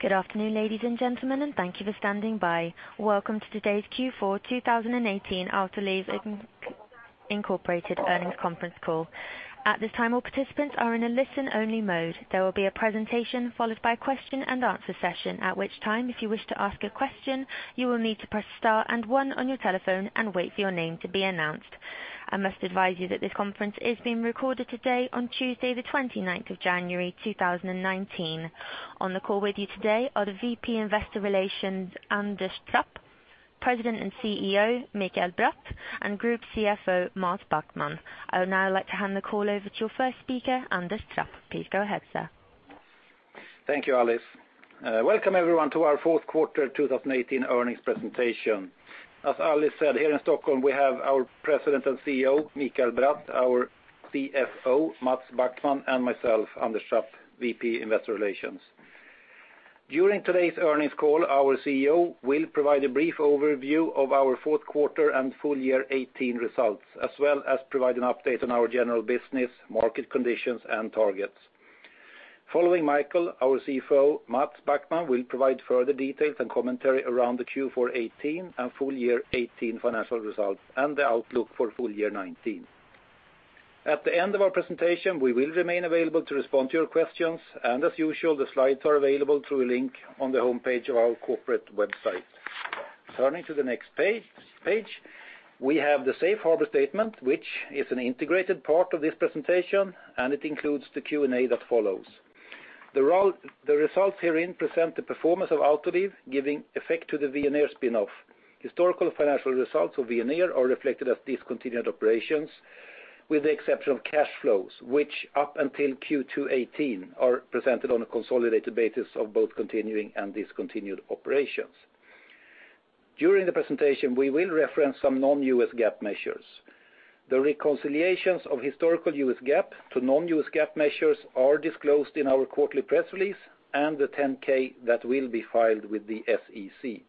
Good afternoon, ladies and gentlemen, and thank you for standing by. Welcome to today's Q4 2018 Autoliv Incorporated Earnings Conference Call. At this time, all participants are in a listen-only mode. There will be a presentation followed by question and answer session, at which time, if you wish to ask a question, you will need to press star and one on your telephone and wait for your name to be announced. I must advise you that this conference is being recorded today on Tuesday, January 29th 2019. On the call with you today are the VP Investor Relations, Anders Trapp, President and CEO, Mikael Bratt, and Group CFO, Mats Backman. I would now like to hand the call over to your first speaker, Anders Trapp. Please go ahead, sir. Thank you, Alice. Welcome everyone to our Fourth Quarter 2018 Earnings Presentation. As Alice said, here in Stockholm, we have our President and CEO, Mikael Bratt, our CFO, Mats Backman, and myself, Anders Trapp, VP Investor Relations. During today's earnings call, our CEO will provide a brief overview of our fourth quarter and full year 2018 results, as well as provide an update on our general business, market conditions, and targets. Following Mikael, our CFO, Mats Backman, will provide further details and commentary around the Q4 2018 and full year 2018 financial results and the outlook for full year 2019. At the end of our presentation, we will remain available to respond to your questions, and as usual, the slides are available through a link on the homepage of our corporate website. Turning to the next page, we have the safe harbor statement, which is an integrated part of this presentation, and it includes the Q&A that follows. The results herein present the performance of Autoliv, giving effect to the Veoneer spin-off. Historical financial results of Veoneer are reflected as discontinued operations, with the exception of cash flows, which up until Q2 2018 are presented on a consolidated basis of both continuing and discontinued operations. During the presentation, we will reference some non-U.S. GAAP measures. The reconciliations of historical U.S. GAAP to non-U.S. GAAP measures are disclosed in our quarterly press release and the 10-K that will be filed with the SEC.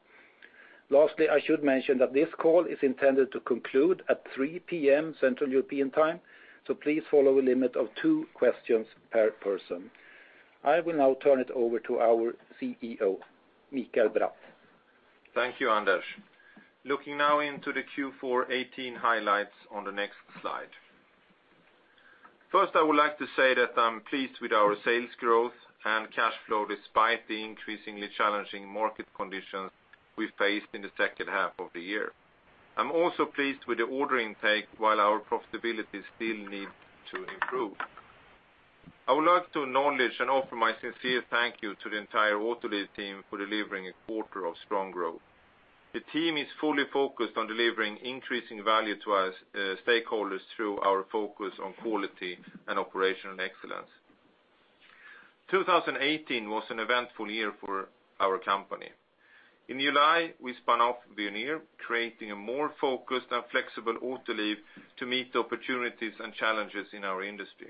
Lastly, I should mention that this call is intended to conclude at 3:00 P.M. Central European Time. Please follow a limit of two questions per person. I will now turn it over to our CEO, Mikael Bratt. Thank you, Anders. Looking now into the Q4 2018 highlights on the next slide. First, I would like to say that I'm pleased with our sales growth and cash flow despite the increasingly challenging market conditions we faced in the second half of the year. I'm also pleased with the order intake while our profitability still needs to improve. I would like to acknowledge and offer my sincere thank you to the entire Autoliv team for delivering a quarter of strong growth. The team is fully focused on delivering increasing value to us stakeholders through our focus on quality and operational excellence. 2018 was an eventful year for our company. In July, we spun off Veoneer, creating a more focused and flexible Autoliv to meet the opportunities and challenges in our industry.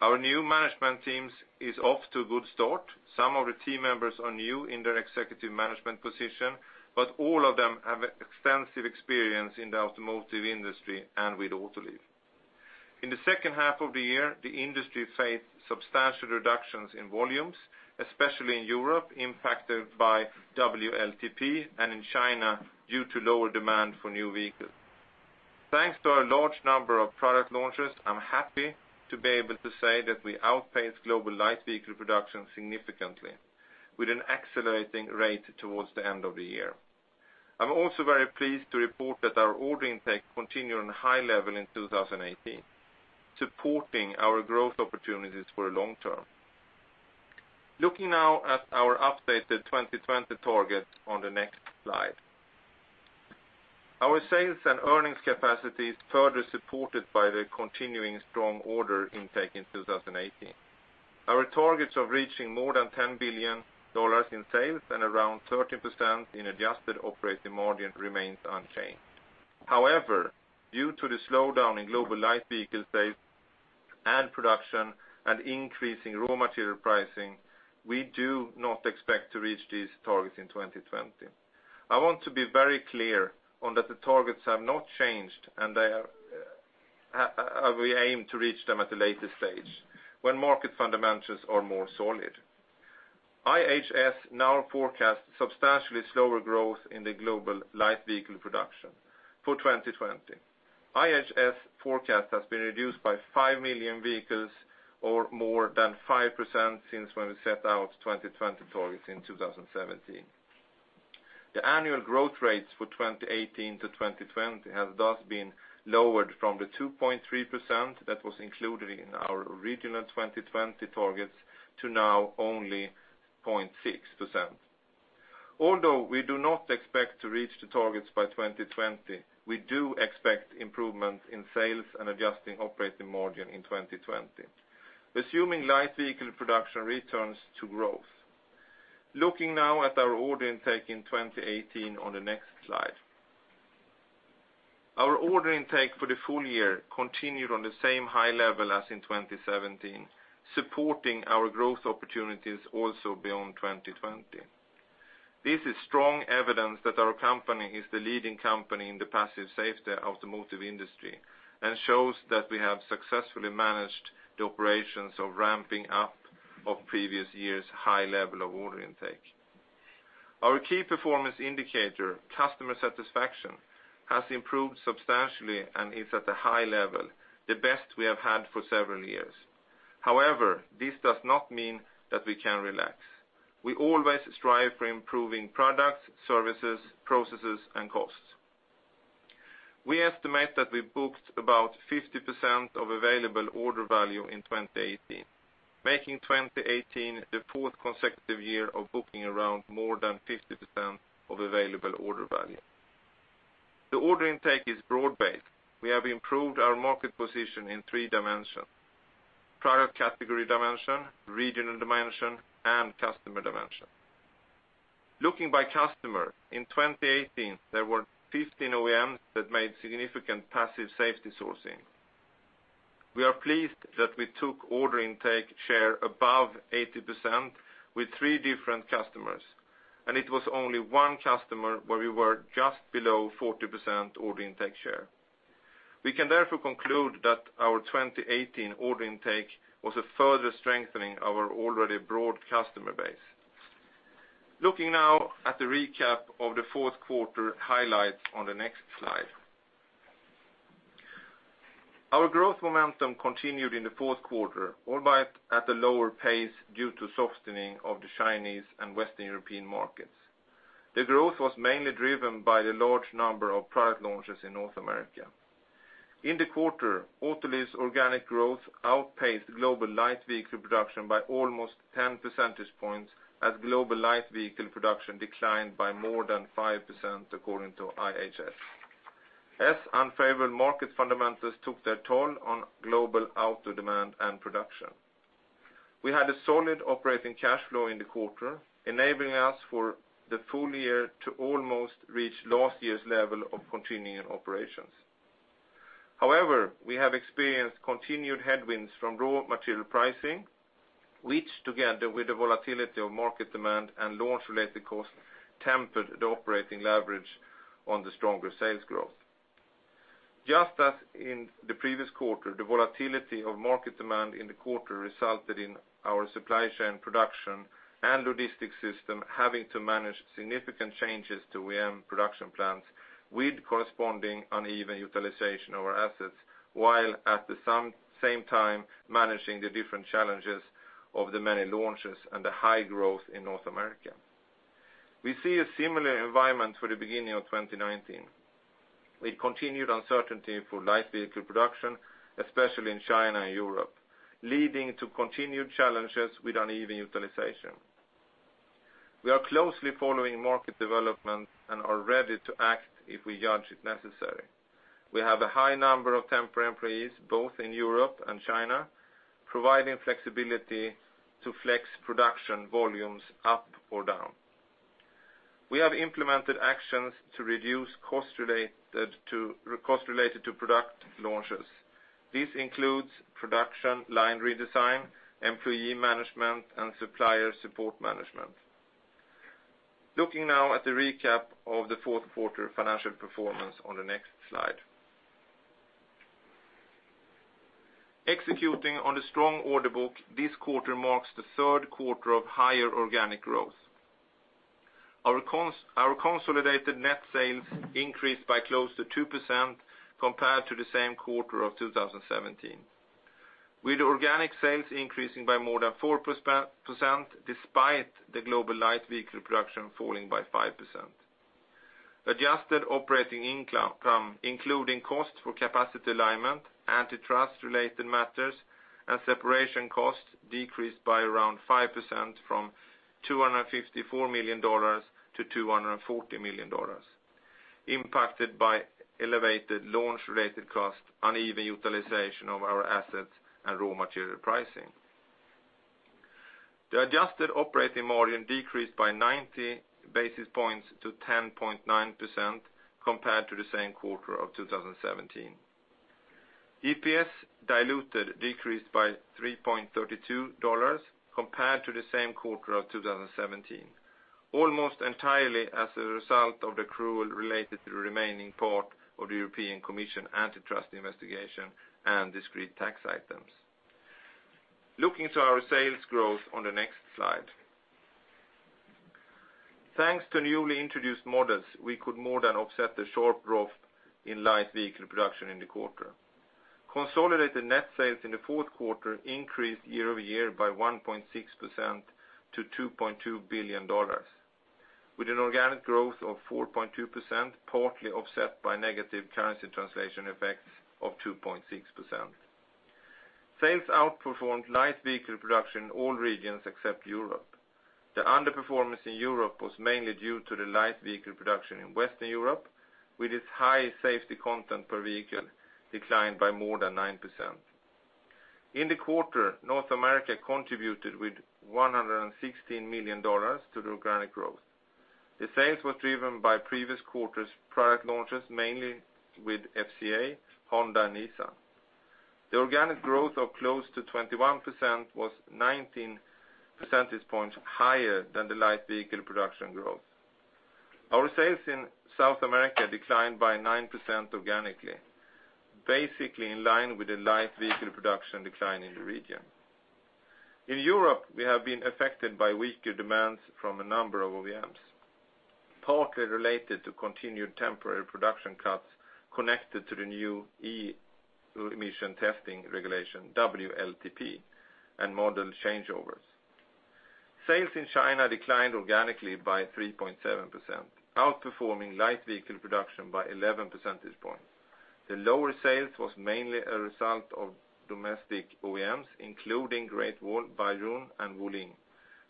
Our new management team is off to a good start. Some of the team members are new in their executive management position, but all of them have extensive experience in the automotive industry and with Autoliv. In the second half of the year, the industry faced substantial reductions in volumes, especially in Europe, impacted by WLTP and in China, due to lower demand for new vehicles. Thanks to our large number of product launches, I'm happy to be able to say that we outpaced global light vehicle production significantly with an accelerating rate towards the end of the year. I'm also very pleased to report that our order intake continued on a high level in 2018, supporting our growth opportunities for the long term. Looking now at our updated 2020 targets on the next slide. Our sales and earnings capacity is further supported by the continuing strong order intake in 2018. Our targets of reaching more than $10 billion in sales and around 13% in adjusted operating margin remains unchanged. Due to the slowdown in global light vehicle sales and production and increasing raw material pricing, we do not expect to reach these targets in 2020. I want to be very clear on that the targets have not changed, and we aim to reach them at a later stage when market fundamentals are more solid. IHS now forecasts substantially slower growth in the global light vehicle production for 2020. IHS forecast has been reduced by five million vehicles or more than 5% since when we set out 2020 targets in 2017. The annual growth rates for 2018 to 2020 have thus been lowered from the 2.3% that was included in our original 2020 targets to now only 0.6%. We do not expect to reach the targets by 2020, we do expect improvement in sales and adjusting operating margin in 2020, assuming light vehicle production returns to growth. Looking now at our order intake in 2018 on the next slide. Our order intake for the full year continued on the same high level as in 2017, supporting our growth opportunities also beyond 2020. This is strong evidence that our company is the leading company in the passive safety automotive industry and shows that we have successfully managed the operations of ramping up of previous year's high level of order intake. Our key performance indicator, customer satisfaction, has improved substantially and is at a high level, the best we have had for several years. This does not mean that we can relax. We always strive for improving products, services, processes, and costs. We estimate that we booked about 50% of available order value in 2018, making 2018 the fourth consecutive year of booking around more than 50% of available order value. The order intake is broad-based. We have improved our market position in three dimensions: product category dimension, regional dimension, and customer dimension. Looking by customer, in 2018, there were 15 OEMs that made significant passive safety sourcing. We are pleased that we took order intake share above 80% with three different customers, and it was only one customer where we were just below 40% order intake share. We can therefore conclude that our 2018 order intake was a further strengthening our already broad customer base. Looking now at the recap of the fourth quarter highlights on the next slide. Our growth momentum continued in the fourth quarter, albeit at a lower pace due to softening of the Chinese and Western European markets. The growth was mainly driven by the large number of product launches in North America. In the quarter, Autoliv's organic growth outpaced global light vehicle production by almost 10 percentage points as global light vehicle production declined by more than 5%, according to IHS. As unfavorable market fundamentals took their toll on global auto demand and production. We had a solid operating cash flow in the quarter, enabling us for the full year to almost reach last year's level of continuing operations. However, we have experienced continued headwinds from raw material pricing, which together with the volatility of market demand and launch-related costs, tempered the operating leverage on the stronger sales growth. Just as in the previous quarter, the volatility of market demand in the quarter resulted in our supply chain production and logistics system having to manage significant changes to OEM production plans with corresponding uneven utilization of our assets, while at the same time managing the different challenges of the many launches and the high growth in North America. We see a similar environment for the beginning of 2019. With continued uncertainty for light vehicle production, especially in China and Europe, leading to continued challenges with uneven utilization. We are closely following market development and are ready to act if we judge it necessary. We have a high number of temporary employees, both in Europe and China, providing flexibility to flex production volumes up or down. We have implemented actions to reduce costs related to product launches. This includes production, line redesign, employee management, and supplier support management. Looking now at the recap of the fourth quarter financial performance on the next slide. Executing on the strong order book this quarter marks the third quarter of higher organic growth. Our consolidated net sales increased by close to 2% compared to the same quarter of 2017. With organic sales increasing by more than 4% despite the global light vehicle production falling by 5%. Adjusted operating income, including costs for capacity alignment, antitrust related matters, and separation costs decreased by around 5% from $254 million- $240 million, impacted by elevated launch-related costs, uneven utilization of our assets, and raw material pricing. The adjusted operating margin decreased by 90 basis points to 10.9% compared to the same quarter of 2017. EPS diluted decreased by $3.32 compared to the same quarter of 2017, almost entirely as a result of the accrual related to the remaining part of the European Commission antitrust investigation and discrete tax items. Looking to our sales growth on the next slide. Thanks to newly introduced models, we could more than offset the sharp growth in light vehicle production in the quarter. Consolidated net sales in the fourth quarter increased year-over-year by 1.6% to $2.2 billion, with an organic growth of 4.2%, partly offset by negative currency translation effects of 2.6%. Sales outperformed light vehicle production in all regions except Europe. The underperformance in Europe was mainly due to the light vehicle production in Western Europe, with its high safety content per vehicle declined by more than 9%. In the quarter, North America contributed with $116 million to the organic growth. The sales was driven by previous quarters' product launches, mainly with FCA, Honda, and Nissan. The organic growth of close to 21% was 19 percentage points higher than the light vehicle production growth. Our sales in South America declined by 9% organically, basically in line with the light vehicle production decline in the region. In Europe, we have been affected by weaker demands from a number of OEMs, partly related to continued temporary production cuts connected to the new emission testing regulation, WLTP, and model changeovers. Sales in China declined organically by 3.7%, outperforming light vehicle production by 11 percentage points. The lower sales was mainly a result of domestic OEMs, including Great Wall, BAIC, and Wuling,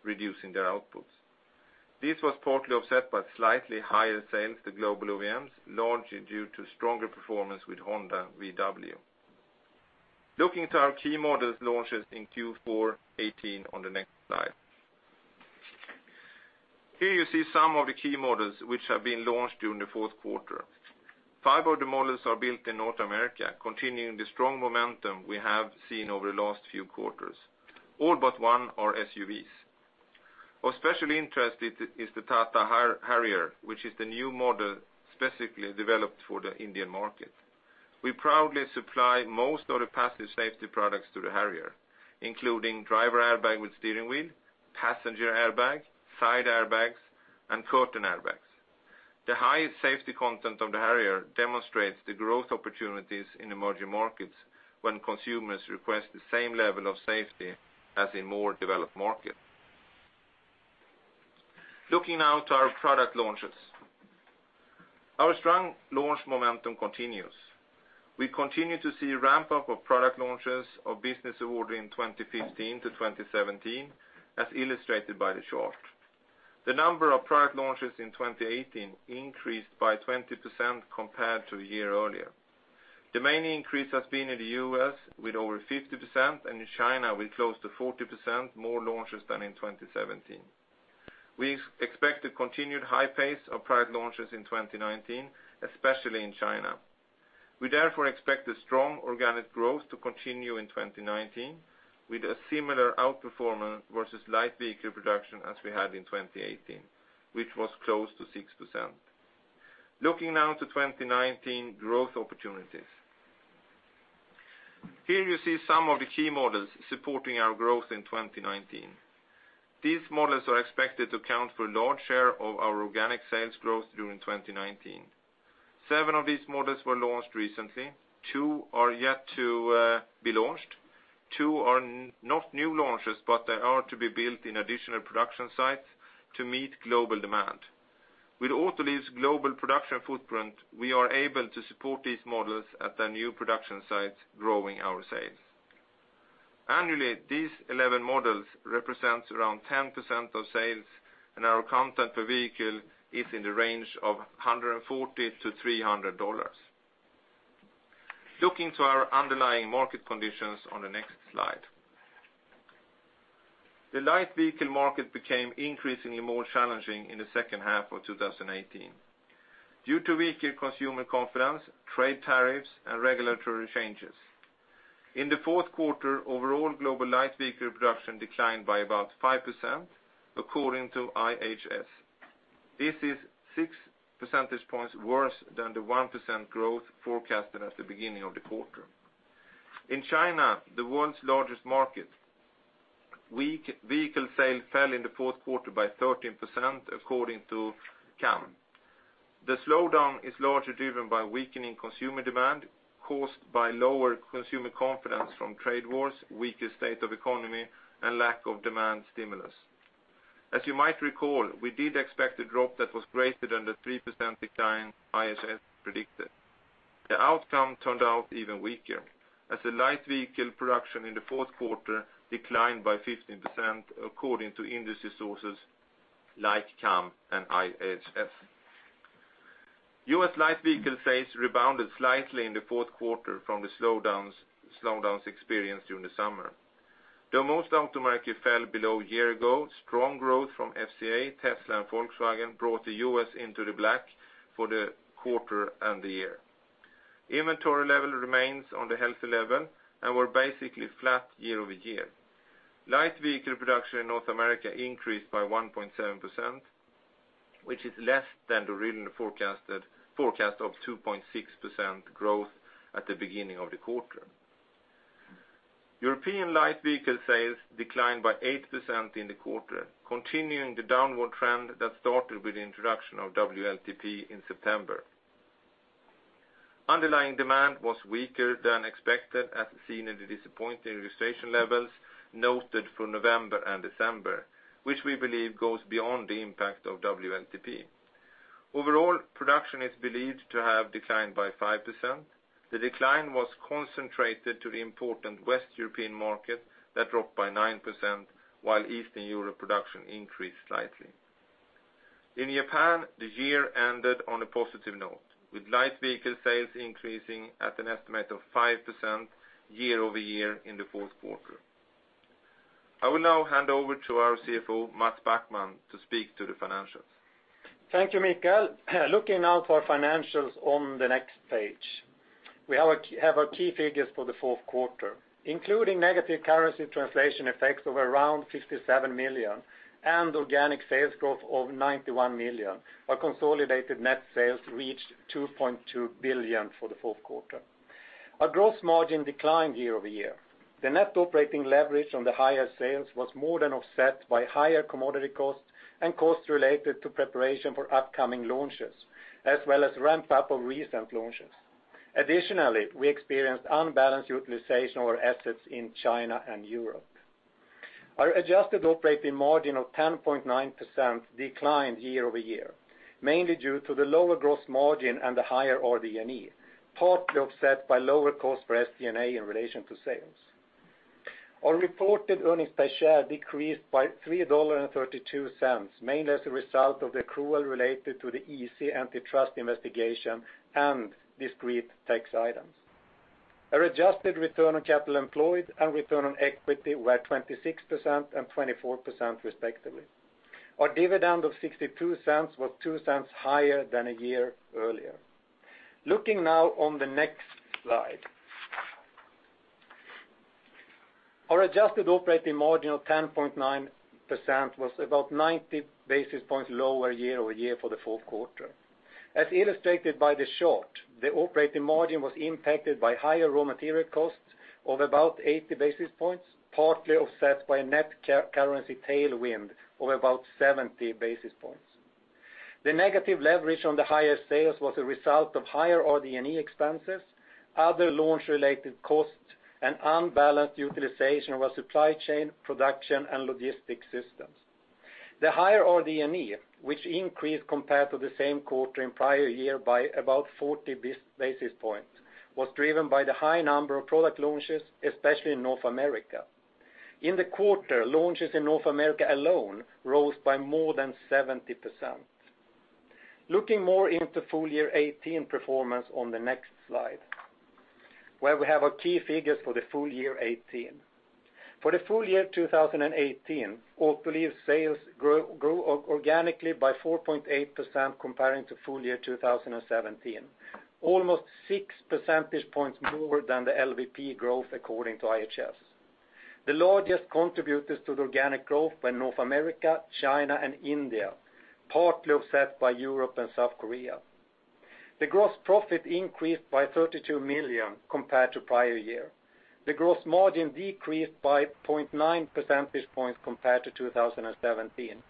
reducing their outputs. This was partly offset by slightly higher sales to global OEMs, largely due to stronger performance with Honda VW. Looking to our key models launches in Q4 2018 on the next slide. Here you see some of the key models which have been launched during the fourth quarter. Five of the models are built in North America, continuing the strong momentum we have seen over the last few quarters. All but one are SUVs. Of special interest is the Tata Harrier, which is the new model specifically developed for the Indian market. We proudly supply most of the passive safety products to the Harrier, including driver airbag with steering wheel, passenger airbag, side airbags, and curtain airbags. The high safety content of the Harrier demonstrates the growth opportunities in emerging markets when consumers request the same level of safety as in more developed markets. Looking now to our product launches. Our strong launch momentum continues. We continue to see ramp-up of product launches of business awarded in 2015-2017, as illustrated by the chart. The number of product launches in 2018 increased by 20% compared to a year earlier. The main increase has been in the U.S. with over 50%, and in China with close to 40% more launches than in 2017. We expect a continued high pace of product launches in 2019, especially in China. We therefore expect a strong organic growth to continue in 2019, with a similar outperformance versus light vehicle production as we had in 2018, which was close to 6%. Looking now to 2019 growth opportunities. Here you see some of the key models supporting our growth in 2019. These models are expected to account for a large share of our organic sales growth during 2019. Seven of these models were launched recently. Two are yet to be launched. Two are not new launches, but they are to be built in additional production sites to meet global demand. With Autoliv's global production footprint, we are able to support these models at their new production sites, growing our sales. Annually, these 11 models represent around 10% of sales, and our content per vehicle is in the range of $140-$300. Looking to our underlying market conditions on the next slide. The light vehicle market became increasingly more challenging in the second half of 2018 due to weaker consumer confidence, trade tariffs, and regulatory changes. In the fourth quarter, overall global light vehicle production declined by about 5% according to IHS. This is six percentage points worse than the 1% growth forecasted at the beginning of the quarter. In China, the world's largest market, vehicle sales fell in the fourth quarter by 13%, according to CAAM. The slowdown is largely driven by weakening consumer demand caused by lower consumer confidence from trade wars, weaker state of economy, and lack of demand stimulus. As you might recall, we did expect a drop that was greater than the 3% decline IHS predicted. The outcome turned out even weaker as the light vehicle production in the fourth quarter declined by 15%, according to industry sources like CAAM and IHS. U.S. light vehicle sales rebounded slightly in the fourth quarter from the slowdowns experienced during the summer. Though most auto market fell below year ago, strong growth from FCA, Tesla, and Volkswagen brought the U.S. into the black for the quarter and the year. Inventory level remains on the healthy level and were basically flat year-over-year. Light vehicle production in North America increased by 1.7%, which is less than the original forecast of 2.6% growth at the beginning of the quarter. European light vehicle sales declined by 8% in the quarter, continuing the downward trend that started with the introduction of WLTP in September. Underlying demand was weaker than expected, as seen in the disappointing registration levels noted for November and December, which we believe goes beyond the impact of WLTP. Overall, production is believed to have declined by 5%. The decline was concentrated to the important West European market that dropped by 9%, while Eastern Europe production increased slightly. In Japan, the year ended on a positive note with light vehicle sales increasing at an estimate of 5% year-over-year in the fourth quarter. I will now hand over to our CFO, Mats Backman, to speak to the financials. Thank you, Mikael. Looking now to our financials on the next page. We have our key figures for the fourth quarter, including negative currency translation effects of around $57 million and organic sales growth of $91 million. Our consolidated net sales reached $2.2 billion for the fourth quarter. Our growth margin declined year-over-year. The net operating leverage on the higher sales was more than offset by higher commodity costs and costs related to preparation for upcoming launches, as well as ramp-up of recent launches. Additionally, we experienced unbalanced utilization of our assets in China and Europe. Our adjusted operating margin of 10.9% declined year-over-year, mainly due to the lower growth margin and the higher RD&E, partly offset by lower cost for SD&A in relation to sales. Our reported earnings per share decreased by $3.32, mainly as a result of the accrual related to the EC antitrust investigation and discrete tax items. Our adjusted return on capital employed and return on equity were 26% and 24%, respectively. Our dividend of $0.62 was $0.02 higher than a year earlier. Looking now on the next slide. Our adjusted operating margin of 10.9% was about 90 basis points lower year-over-year for the fourth quarter. As illustrated by the chart, the operating margin was impacted by higher raw material costs of about 80 basis points, partly offset by a net currency tailwind of about 70 basis points. The negative leverage on the higher sales was a result of higher RD&E expenses, other launch-related costs, and unbalanced utilization of our supply chain, production, and logistics systems. The higher RD&E, which increased compared to the same quarter in prior year by about 40 basis points, was driven by the high number of product launches, especially in North America. In the quarter, launches in North America alone rose by more than 70%. Looking more into full year 2018 performance on the next slide, where we have our key figures for the full year 2018. For the full year 2018, Autoliv sales grew organically by 4.8% comparing to full year 2017, almost six percentage points more than the LVP growth according to IHS. The largest contributors to the organic growth were North America, China, and India, partly offset by Europe and South Korea. The gross profit increased by $32 million compared to prior year. The growth margin decreased by 0.9 percentage points compared to 2017,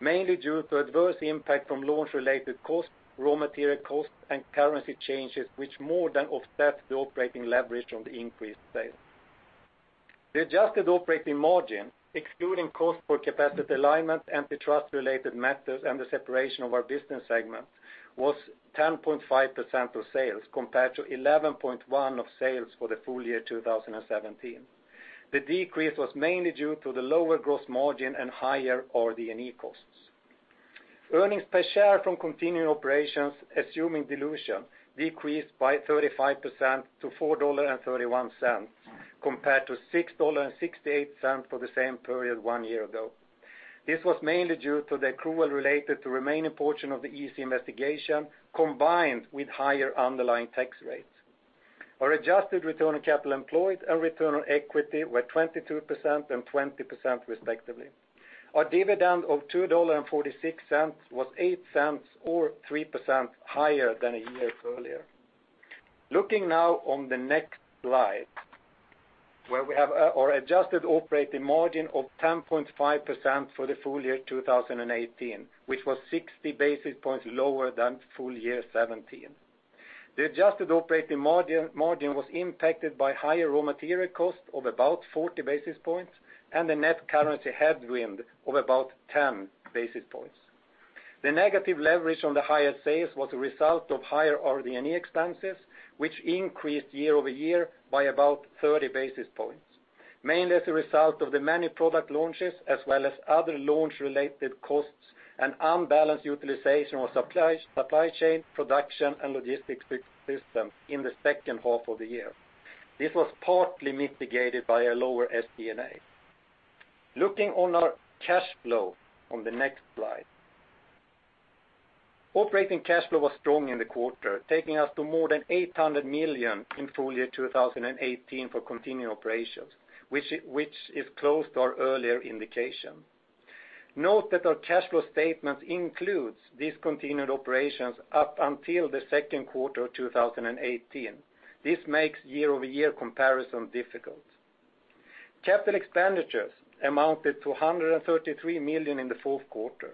mainly due to adverse impact from launch-related costs, raw material costs, and currency changes, which more than offset the operating leverage on the increased sales. The adjusted operating margin, excluding cost for capacity alignment, antitrust-related matters, and the separation of our business segment, was 10.5% of sales compared to 11.1% of sales for the full year 2017. The decrease was mainly due to the lower growth margin and higher RD&E costs. Earnings per share from continuing operations, assuming dilution, decreased by 35% to $4.31, compared to $6.68 for the same period one year ago. This was mainly due to the accrual related to remaining portion of the EC investigation, combined with higher underlying tax rates. Our adjusted return on capital employed and return on equity were 22% and 20%, respectively. Our dividend of $2.46 was $0.08 or 3% higher than a year earlier. Looking now on the next slide, where we have our adjusted operating margin of 10.5% for the full year 2018, which was 60 basis points lower than full year 2017. The adjusted operating margin was impacted by higher raw material costs of about 40 basis points and the net currency headwind of about 10 basis points. The negative leverage on the higher sales was a result of higher RD&E expenses, which increased year-over-year by about 30 basis points, mainly as a result of the many product launches, as well as other launch-related costs and unbalanced utilization of supply chain, production, and logistics systems in the second half of the year. This was partly mitigated by a lower SD&A. Looking on our cash flow on the next slide. Operating cash flow was strong in the quarter, taking us to more than $800 million in full year 2018 for continuing operations, which is close to our earlier indication. Note that our cash flow statement includes discontinued operations up until the second quarter of 2018. This makes year-over-year comparison difficult. Capital expenditures amounted to $133 million in the fourth quarter.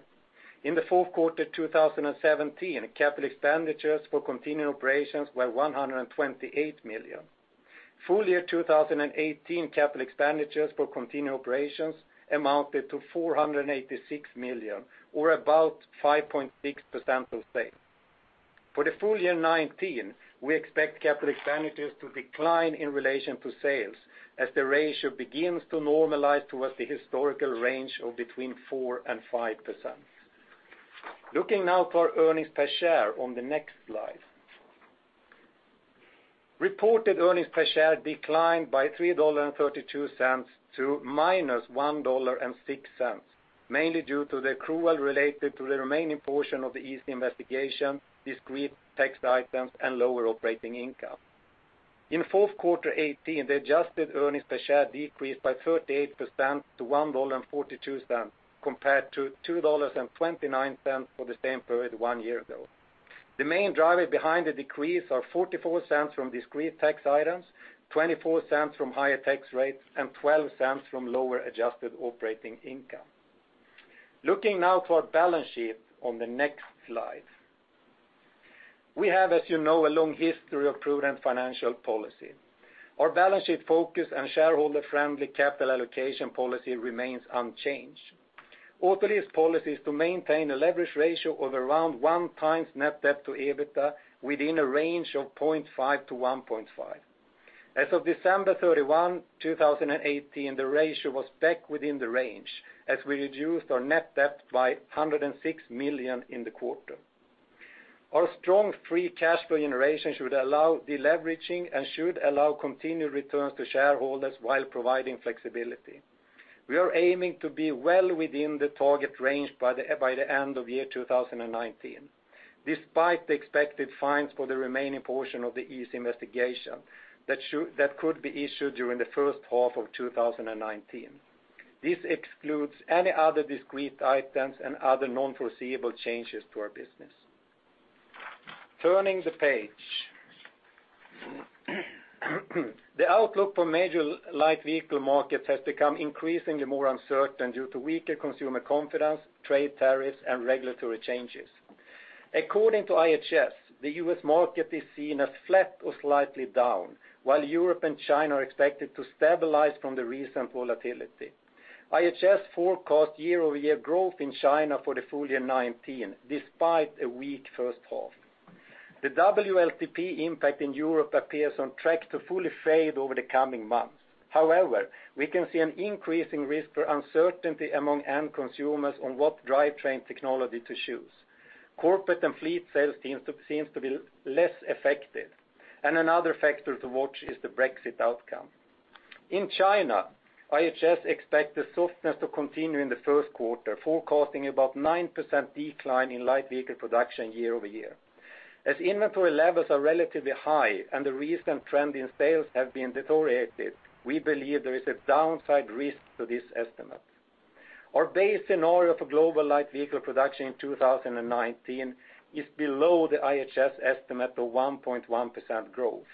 In the fourth quarter 2017, capital expenditures for continuing operations were $128 million. Full year 2018 capital expenditures for continuing operations amounted to $486 million, or about 5.6% of sales. For the full year 2019, we expect capital expenditures to decline in relation to sales as the ratio begins to normalize towards the historical range of between 4% and 5%. Looking now to our earnings per share on the next slide. Reported earnings per share declined by $3.32 to -$1.60, mainly due to the accrual related to the remaining portion of the EC investigation, discrete tax items, and lower operating income. In fourth quarter 2018, the adjusted earnings per share decreased by 38% to $1.42 compared to $2.29 for the same period one year ago. The main driver behind the decrease are $0.44 from discrete tax items, $0.24 from higher tax rates, and $0.12 from lower adjusted operating income. Looking now to our balance sheet on the next slide. We have, as you know, a long history of prudent financial policy. Our balance sheet focus and shareholder-friendly capital allocation policy remains unchanged. Autoliv's policy is to maintain a leverage ratio of around one times net debt to EBITDA within a range of 0.5-1.5. As of December 31, 2018, the ratio was back within the range, as we reduced our net debt by $106 million in the quarter. Our strong free cash flow generation should allow de-leveraging and should allow continued returns to shareholders while providing flexibility. We are aiming to be well within the target range by the end of year 2019, despite the expected fines for the remaining portion of the EC investigation that could be issued during the first half of 2019. This excludes any other discrete items and other non-foreseeable changes to our business. Turning the page. The outlook for major light vehicle markets has become increasingly more uncertain due to weaker consumer confidence, trade tariffs, and regulatory changes. According to IHS, the U.S. market is seen as flat or slightly down, while Europe and China are expected to stabilize from the recent volatility. IHS forecast year-over-year growth in China for the full year 2019, despite a weak first half. The WLTP impact in Europe appears on track to fully fade over the coming months. However, we can see an increasing risk for uncertainty among end consumers on what drivetrain technology to choose. Corporate and fleet sales seems to be less affected. Another factor to watch is the Brexit outcome. In China, IHS expect the softness to continue in the first quarter, forecasting about 9% decline in light vehicle production year-over-year. As inventory levels are relatively high and the recent trend in sales have been deteriorated, we believe there is a downside risk to this estimate. Our base scenario for global light vehicle production in 2019 is below the IHS estimate of 1.1% growth.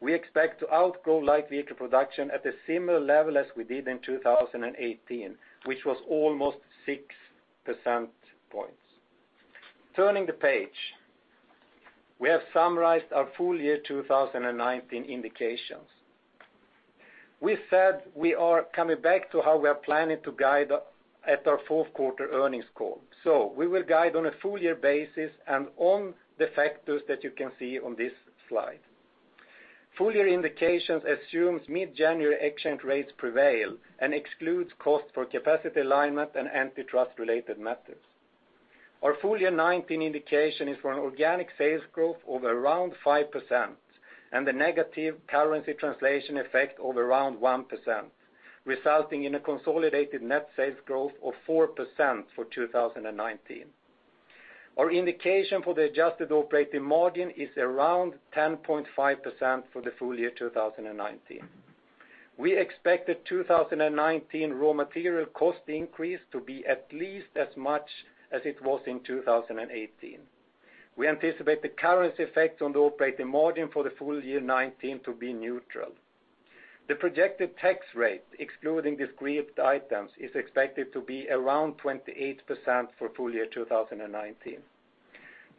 We expect to outgrow light vehicle production at a similar level as we did in 2018, which was almost six percentage points. Turning the page. We have summarized our full year 2019 indications. We said we are coming back to how we are planning to guide at our fourth quarter earnings call. We will guide on a full year basis and on the factors that you can see on this slide. Full year indications assumes mid-January exchange rates prevail and excludes cost for capacity alignment and antitrust related matters. Our full year 2019 indication is for an organic sales growth of around 5% and the negative currency translation effect of around 1%, resulting in a consolidated net sales growth of 4% for 2019. Our indication for the adjusted operating margin is around 10.5% for the full year 2019. We expect the 2019 raw material cost increase to be at least as much as it was in 2018. We anticipate the currency effect on the operating margin for the full year 2019 to be neutral. The projected tax rate, excluding discrete items, is expected to be around 28% for full year 2019.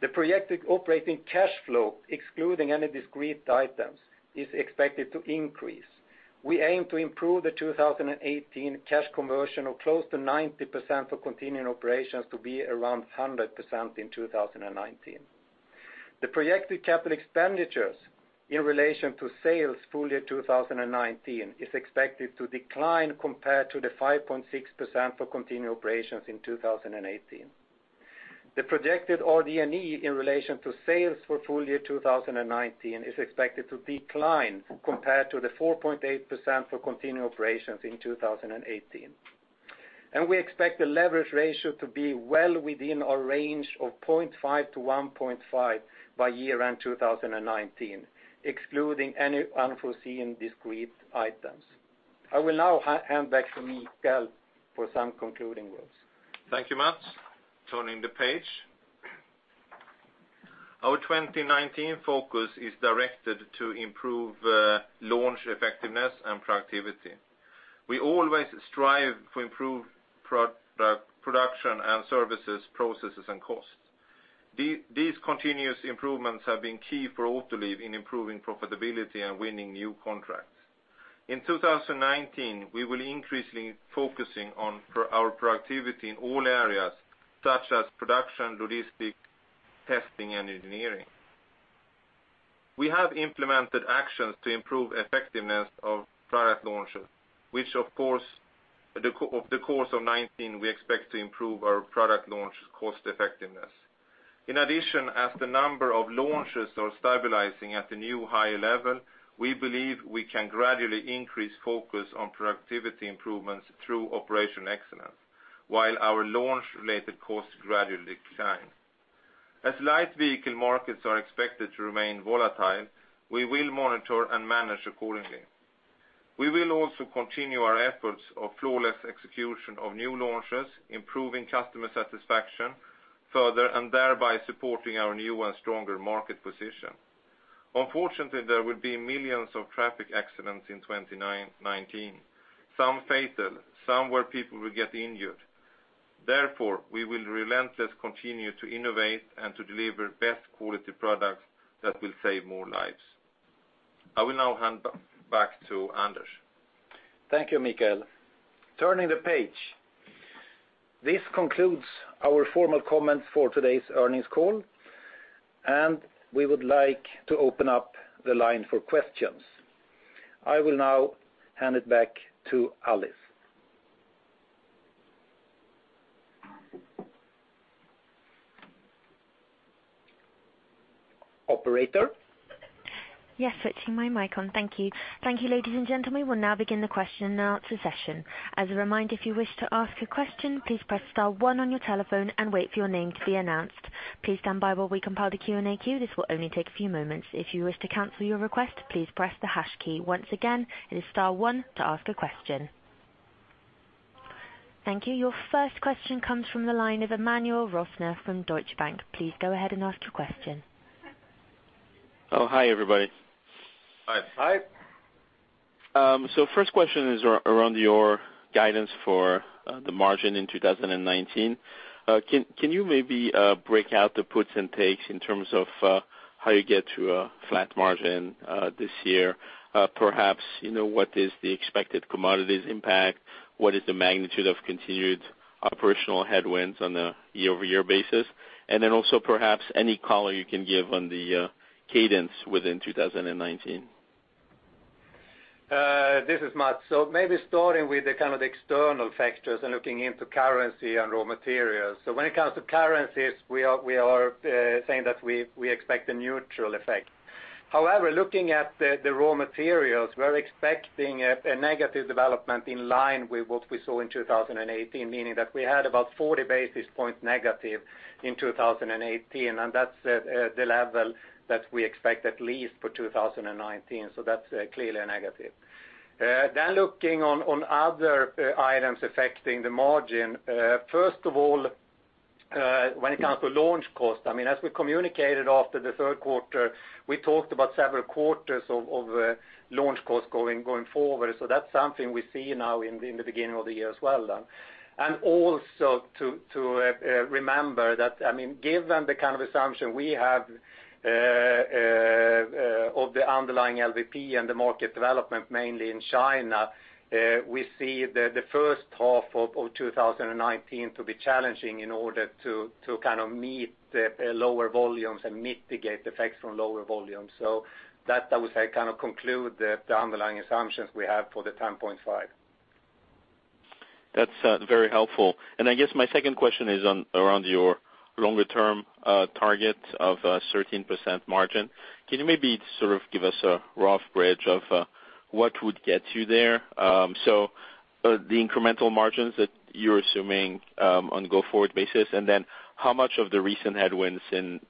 The projected operating cash flow, excluding any discrete items, is expected to increase. We aim to improve the 2018 cash conversion of close to 90% for continuing operations to be around 100% in 2019. The projected capital expenditures in relation to sales full year 2019 is expected to decline compared to the 5.6% for continuing operations in 2018. The projected RD&E in relation to sales for full year 2019 is expected to decline compared to the 4.8% for continuing operations in 2018. We expect the leverage ratio to be well within our range of 0.5-1.5 by year-end 2019, excluding any unforeseen discrete items. I will now hand back to Mikael for some concluding words. Thank you, Mats. Turning the page. Our 2019 focus is directed to improve launch effectiveness and productivity. We always strive to improve production and services, processes, and costs. These continuous improvements have been key for Autoliv in improving profitability and winning new contracts. In 2019, we will increasingly focusing on our productivity in all areas, such as production, logistics, testing, and engineering. We have implemented actions to improve effectiveness of product launches, Of the course of 2019, we expect to improve our product launch cost-effectiveness. In addition, as the number of launches are stabilizing at the new higher level, we believe we can gradually increase focus on productivity improvements through operational excellence, while our launch-related costs gradually decline. As light vehicle markets are expected to remain volatile, we will monitor and manage accordingly. We will also continue our efforts of flawless execution of new launches, improving customer satisfaction further, and thereby supporting our new and stronger market position. Unfortunately, there will be millions of traffic accidents in 2019, some fatal, some where people will get injured. Therefore, we will relentlessly continue to innovate and to deliver best quality products that will save more lives. I will now hand back to Anders. Thank you, Mikael. Turning the page. This concludes our formal comments for today's earnings call. We would like to open up the line for questions. I will now hand it back to Alice. Operator? Yes, switching my mic on. Thank you. Thank you, ladies and gentlemen, we will now begin the question-and-answer session. As a reminder, if you wish to ask a question, please press star one on your telephone and wait for your name to be announced. Please stand by while we compile the Q&A queue. This will only take a few moments. If you wish to cancel your request, please press the hash key. Once again, it is star one to ask a question. Thank you. Your first question comes from the line of Emmanuel Rosner from Deutsche Bank. Please go ahead and ask your question. Hi, everybody. Hi. Hi. First question is around your guidance for the margin in 2019. Can you maybe break out the puts and takes in terms of how you get to a flat margin this year? Perhaps, what is the expected commodities impact? What is the magnitude of continued operational headwinds on a year-over-year basis? Also perhaps any color you can give on the cadence within 2019. This is Mats. Maybe starting with the kind of external factors and looking into currency and raw materials. When it comes to currencies, we are saying that we expect a neutral effect. However, looking at the raw materials, we are expecting a negative development in line with what we saw in 2018, meaning that we had about 40 basis points negative in 2018, and that's the level that we expect at least for 2019. That's clearly a negative. Looking on other items affecting the margin. First of all, when it comes to launch cost, as we communicated after the third quarter, we talked about several quarters of launch cost going forward. That's something we see now in the beginning of the year as well. Also to remember that, given the kind of assumption we have of the underlying LVP and the market development, mainly in China, we see the first half of 2019 to be challenging in order to kind of meet the lower volumes and mitigate the effects from lower volumes. That, I would say, kind of conclude the underlying assumptions we have for the 10.5. That's very helpful. I guess my second question is around your longer-term target of 13% margin. Can you maybe sort of give us a rough bridge of what would get you there? The incremental margins that you are assuming on a go-forward basis, and then how much of the recent headwinds seen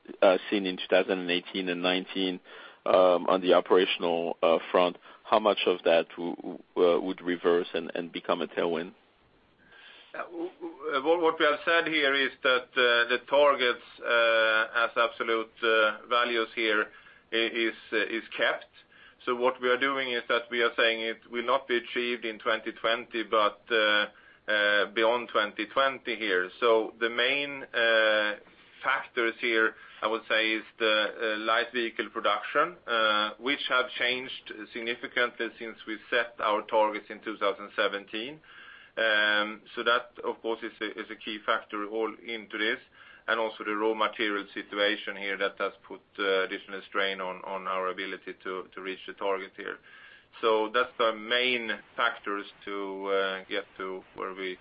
in 2018 and 2019 on the operational front, how much of that would reverse and become a tailwind? What we have said here is that the targets as absolute values here is kept. What we are doing is that we are saying it will not be achieved in 2020, but beyond 2020 here. The main factors here, I would say, is the light vehicle production, which have changed significantly since we set our targets in 2017. That, of course, is a key factor all into this. Also the raw material situation here that has put additional strain on our ability to reach the target here. That's the main factors to get to where we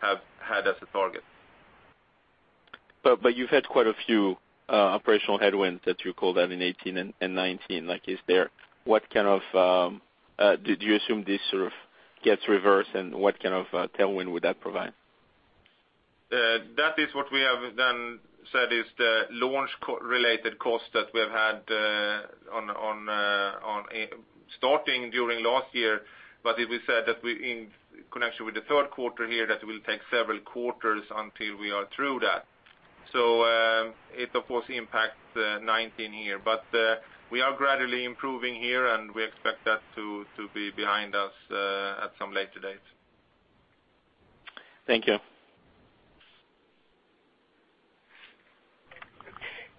have had as a target. You've had quite a few operational headwinds that you call that in 2018 and 2019. Do you assume this sort of gets reversed, and what kind of tailwind would that provide? That is what we have said is the launch-related cost that we have had starting during last year. It was said that in connection with the third quarter here, that it will take several quarters until we are through that. It of course impacts 2019 here. We are gradually improving here, and we expect that to be behind us at some later date. Thank you.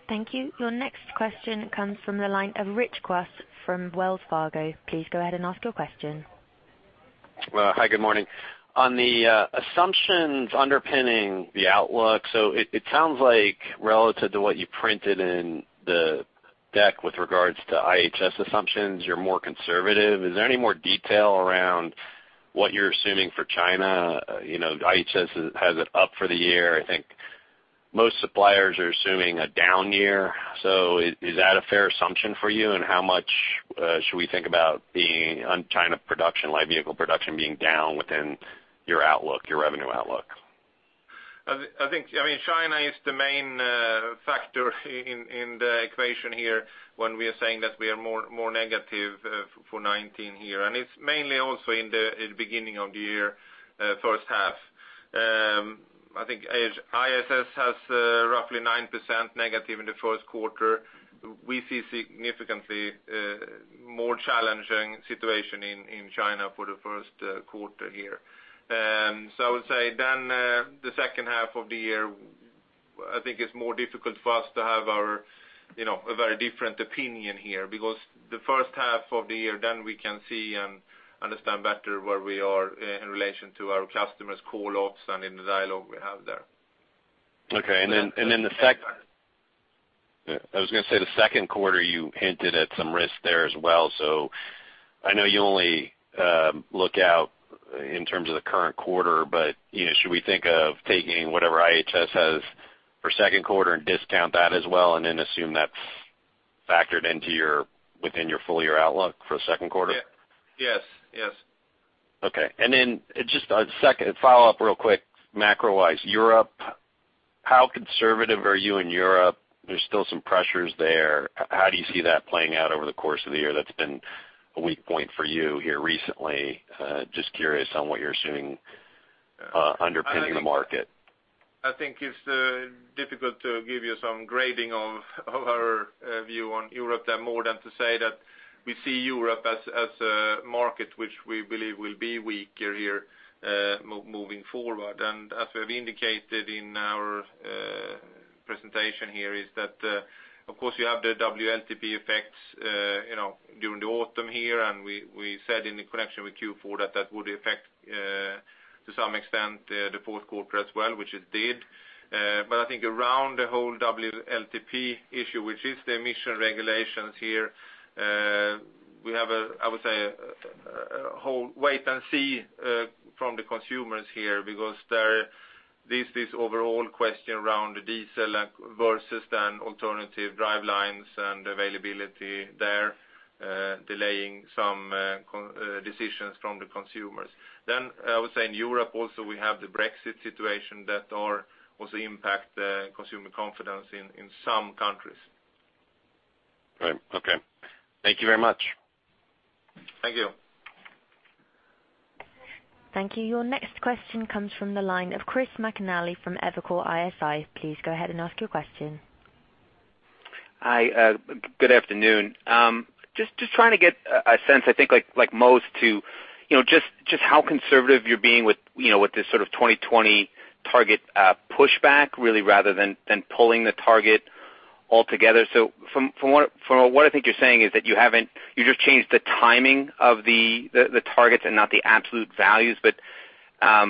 Thank you. Your next question comes from the line of David Kelley from Wells Fargo. Please go ahead and ask your question. Hi, good morning. On the assumptions underpinning the outlook, it sounds like relative to what you printed in the deck with regards to IHS assumptions, you're more conservative. Is there any more detail around what you're assuming for China? IHS has it up for the year. I think most suppliers are assuming a down year. Is that a fair assumption for you? How much should we think about the China production, light vehicle production, being down within your revenue outlook? China is the main factor in the equation here when we are saying that we are more negative for 2019 here, it's mainly also in the beginning of the year, first half. I think IHS has roughly 9% negative in the first quarter. We see significantly more challenging situation in China for the first quarter here. I would say, the second half of the year, I think it's more difficult for us to have a very different opinion here, because the first half of the year, we can see and understand better where we are in relation to our customers' call-offs and in the dialogue we have there. Okay. The second quarter, you hinted at some risk there as well. I know you only look out in terms of the current quarter, but should we think of taking whatever IHS has for second quarter and discount that as well, assume that's factored within your full-year outlook for second quarter? Yes. Okay. Just a second follow-up real quick. Macro-wise, Europe, how conservative are you in Europe? There's still some pressures there. How do you see that playing out over the course of the year? That's been a weak point for you here recently. Just curious on what you're assuming underpinning the market. I think it's difficult to give you some grading of our view on Europe there more than to say that we see Europe as a market which we believe will be weaker here moving forward. As we have indicated in our presentation here, is that, of course, you have the WLTP effects during the autumn here, and we said in the connection with Q4 that that would affect, to some extent, the fourth quarter as well, which it did. I think around the whole WLTP issue, which is the emission regulations here, we have a wait-and-see from the consumers here, because there is this overall question around diesel versus then alternative drivelines and availability there, delaying some decisions from the consumers. I would say in Europe also, we have the Brexit situation that also impact consumer confidence in some countries. Right. Okay. Thank you very much. Thank you. Thank you. Your next question comes from the line of Chris McNally from Evercore ISI. Please go ahead and ask your question. Hi. Good afternoon. Just trying to get a sense, I think like most, to just how conservative you're being with this sort of 2020 target pushback, really, rather than pulling the target altogether. From what I think you're saying is that you just changed the timing of the targets and not the absolute values. That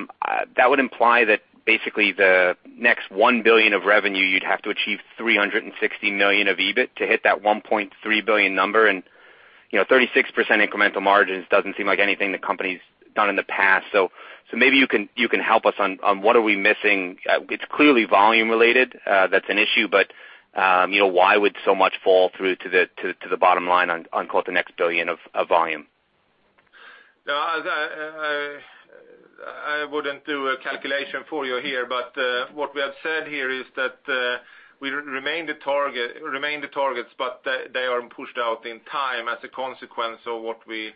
would imply that basically the next $1 billion of revenue, you'd have to achieve $360 million of EBIT to hit that $1.3 billion number, and 36% incremental margins doesn't seem like anything the company's done in the past. Maybe you can help us on what are we missing. It's clearly volume related that's an issue, but why would so much fall through to the bottom line on quote, "the next $1 billion of volume"? I wouldn't do a calculation for you here, but what we have said here is that we remain the targets, but they are pushed out in time as a consequence of what we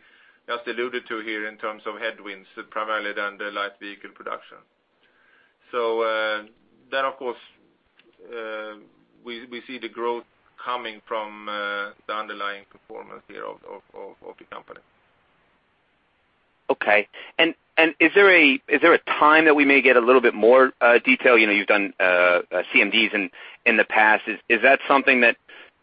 just alluded to here in terms of headwinds, primarily then the light vehicle production. That, of course, we see the growth coming from the underlying performance here of the company. Okay. Is there a time that we may get a little bit more detail? You've done CMDs in the past. Is that something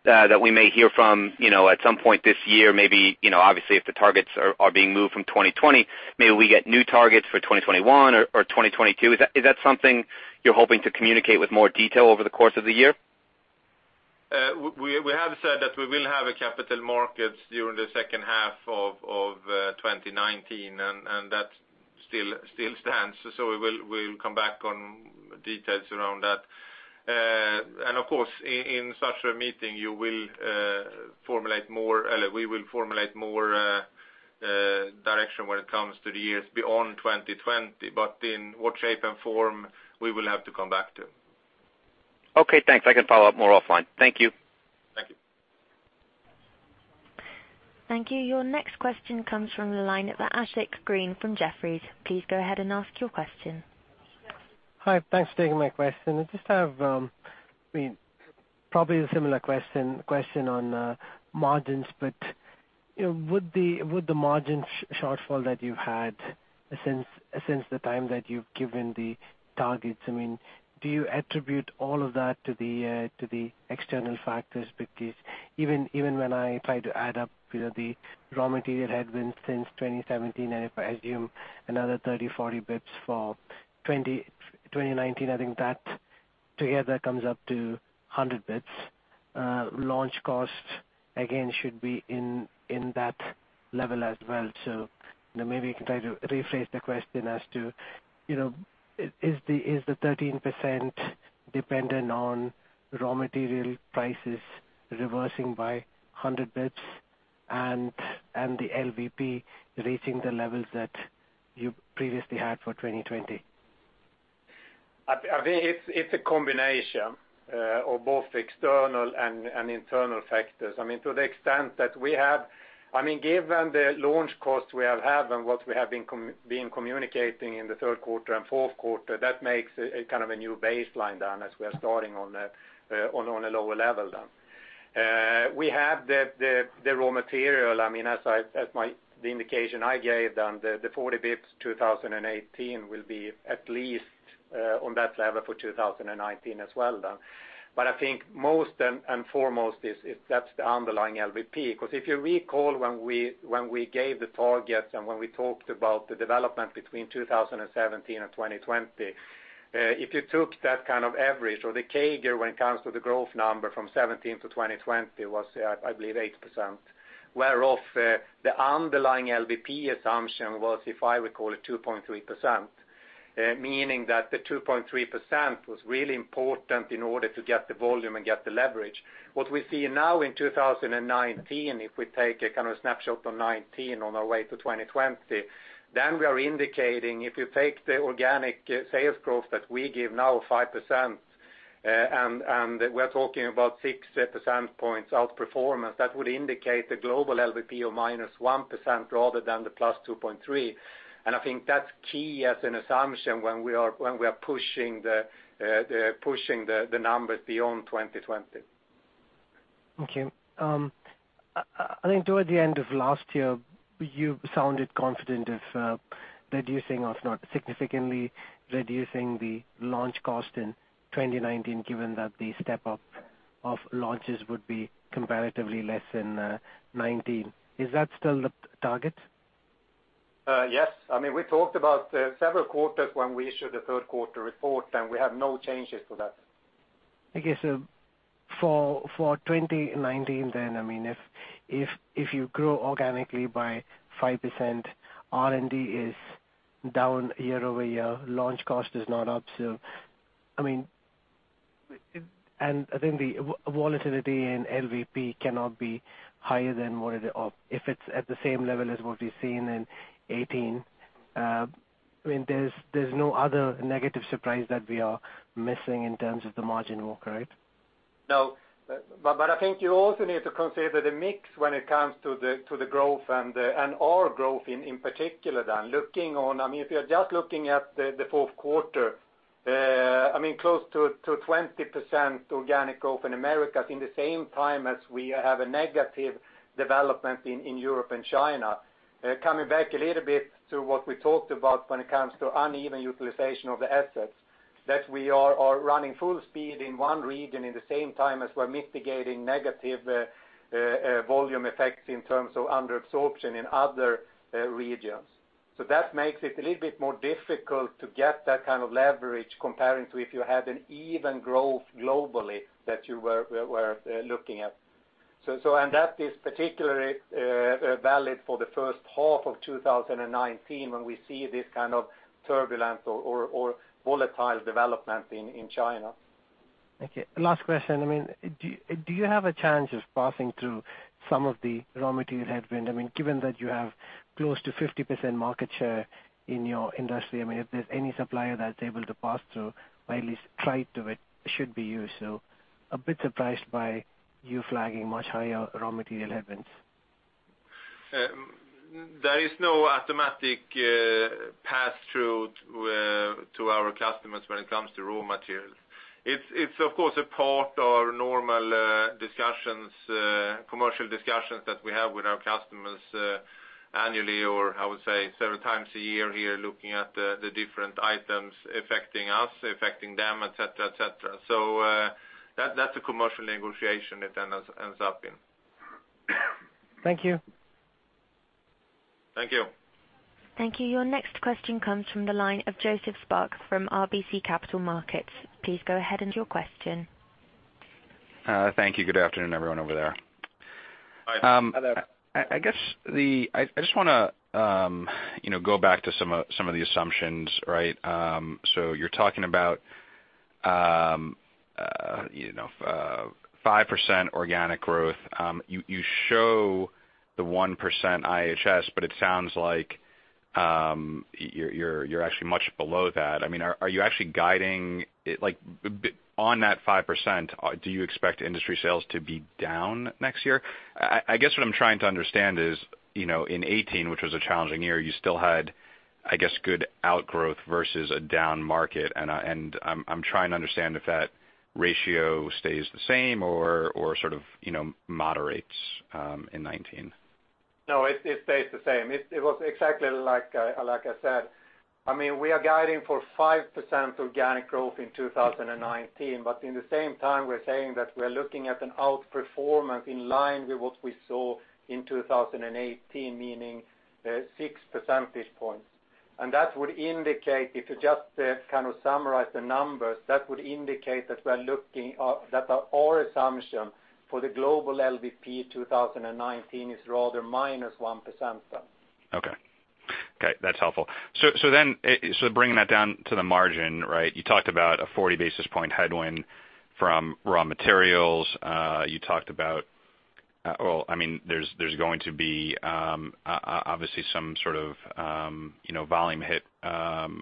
that we may hear from at some point this year? Maybe, obviously, if the targets are being moved from 2020, maybe we get new targets for 2021 or 2022. Is that something you're hoping to communicate with more detail over the course of the year? We have said that we will have a Capital Markets during the second half of 2019, and that still stands. We will come back on details around that. Of course, in such a meeting, we will formulate more direction when it comes to the years beyond 2020. In what shape and form, we will have to come back to. Okay, thanks. I can follow up more offline. Thank you. Thank you. Thank you. Your next question comes from the line of Ashish Sabadra from Jefferies. Please go ahead and ask your question. Hi. Thanks for taking my question. I just have probably a similar question on margins, but would the margin shortfall that you had since the time that you've given the targets, do you attribute all of that to the external factors? Even when I try to add up the raw material headwinds since 2017, and if I assume another 30, 40 basis points for 2019, I think that together comes up to 100 basis points. Launch cost, again, should be in that level as well. Maybe I can try to rephrase the question as to, is the 13% dependent on raw material prices reversing by 100 basis points and the LVP reaching the levels that you previously had for 2020? I think it's a combination of both external and internal factors. Given the launch cost we have had and what we have been communicating in the third quarter and fourth quarter, that makes a new baseline then as we are starting on a lower level then. We have the raw material, as the indication I gave, the 40 basis points 2018 will be at least on that level for 2019 as well then. I think most and foremost is that's the underlying LVP. If you recall when we gave the targets and when we talked about the development between 2017 and 2020, if you took that kind of average or the CAGR when it comes to the growth number from 2017 to 2020 was, I believe, 8%, where of the underlying LVP assumption was, if I recall, 2.3%, meaning that the 2.3% was really important in order to get the volume and get the leverage. What we see now in 2019, if we take a snapshot of 2019 on our way to 2020, then we are indicating, if you take the organic sales growth that we give now of 5%, and we are talking about six percentage points outperformance, that would indicate a global LVP of -1% rather than the +2.3%. I think that's key as an assumption when we are pushing the numbers beyond 2020. Okay. I think toward the end of last year, you sounded confident of reducing, if not significantly, reducing the launch cost in 2019, given that the step up of launches would be comparatively less in 2019. Is that still the target? Yes. We talked about several quarters when we issued the third quarter report, and we have no changes to that. For 2019, if you grow organically by 5%, R&D is down year-over-year, launch cost is not up, and I think the volatility in LVP cannot be higher than if it's at the same level as what we've seen in 2018, there's no other negative surprise that we are missing in terms of the margin walk, right? No. I think you also need to consider the mix when it comes to the growth and our growth in particular then. If you're just looking at the fourth quarter, close to 20% organic growth in Americas in the same time as we have a negative development in Europe and China. Coming back a little bit to what we talked about when it comes to uneven utilization of the assets, that we are running full speed in one region in the same time as we're mitigating negative volume effects in terms of under absorption in other regions. That makes it a little bit more difficult to get that kind of leverage comparing to if you had an even growth globally that you were looking at. That is particularly valid for the first half of 2019 when we see this kind of turbulence or volatile development in China. Okay. Last question. Do you have a chance of passing through some of the raw material headwind? Given that you have close to 50% market share in your industry, if there's any supplier that's able to pass through or at least try to, it should be you. A bit surprised by you flagging much higher raw material headwinds. There is no automatic pass-through to our customers when it comes to raw materials. It's of course a part of normal discussions, commercial discussions that we have with our customers annually or I would say several times a year here, looking at the different items affecting us, affecting them, et cetera. That's a commercial negotiation it then ends up in. Thank you. Thank you. Thank you. Your next question comes from the line of Joseph Spak from RBC Capital Markets. Please go ahead with your question. Thank you. Good afternoon, everyone over there. Hi. Hi there. I just want to go back to some of the assumptions. You're talking about 5% organic growth. You show the 1% IHS, but it sounds like you're actually much below that. Are you actually guiding on that 5%? Do you expect industry sales to be down next year? I guess what I'm trying to understand is, in 2018, which was a challenging year, you still had, I guess, good outgrowth versus a down market, and I'm trying to understand if that ratio stays the same or sort of moderates in 2019. No, it stays the same. It was exactly like I said. We are guiding for 5% organic growth in 2019, in the same time, we're saying that we're looking at an outperformance in line with what we saw in 2018, meaning six percentage points. That would indicate, if you just kind of summarize the numbers, that would indicate that our assumption for the global LVP 2019 is rather -1% then. Okay. That's helpful. Bringing that down to the margin, right? You talked about a 40 basis point headwind from raw materials. There's going to be, obviously, some sort of volume hit as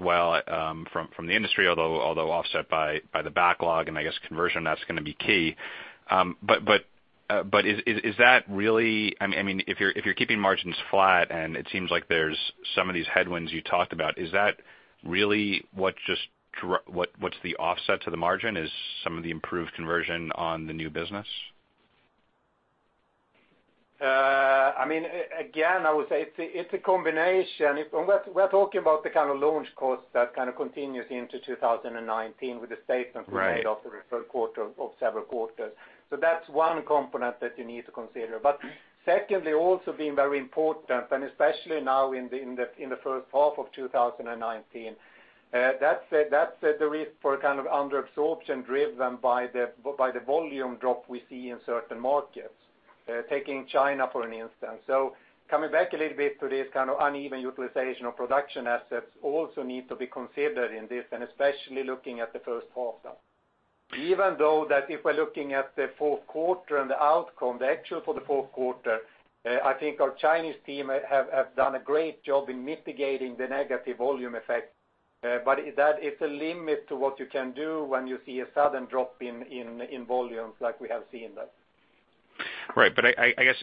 well from the industry, although offset by the backlog, I guess conversion, that's going to be key. If you're keeping margins flat, it seems like there's some of these headwinds you talked about, is that really what's the offset to the margin is some of the improved conversion on the new business? I would say it's a combination. We're talking about the kind of launch cost that kind of continues into 2019 with the statement we made. Right. Of the first quarter of several quarters. That's one component that you need to consider. Secondly, also being very important, and especially now in the first half of 2019, that's the risk for kind of under-absorption driven by the volume drop we see in certain markets. Taking China, for instance. Coming back a little bit to this kind of uneven utilization of production assets also need to be considered in this, and especially looking at the first half though. Even though that if we're looking at the fourth quarter and the outcome, the actual for the fourth quarter, I think our Chinese team have done a great job in mitigating the negative volume effect. But it's a limit to what you can do when you see a sudden drop in volumes like we have seen that. Right. I guess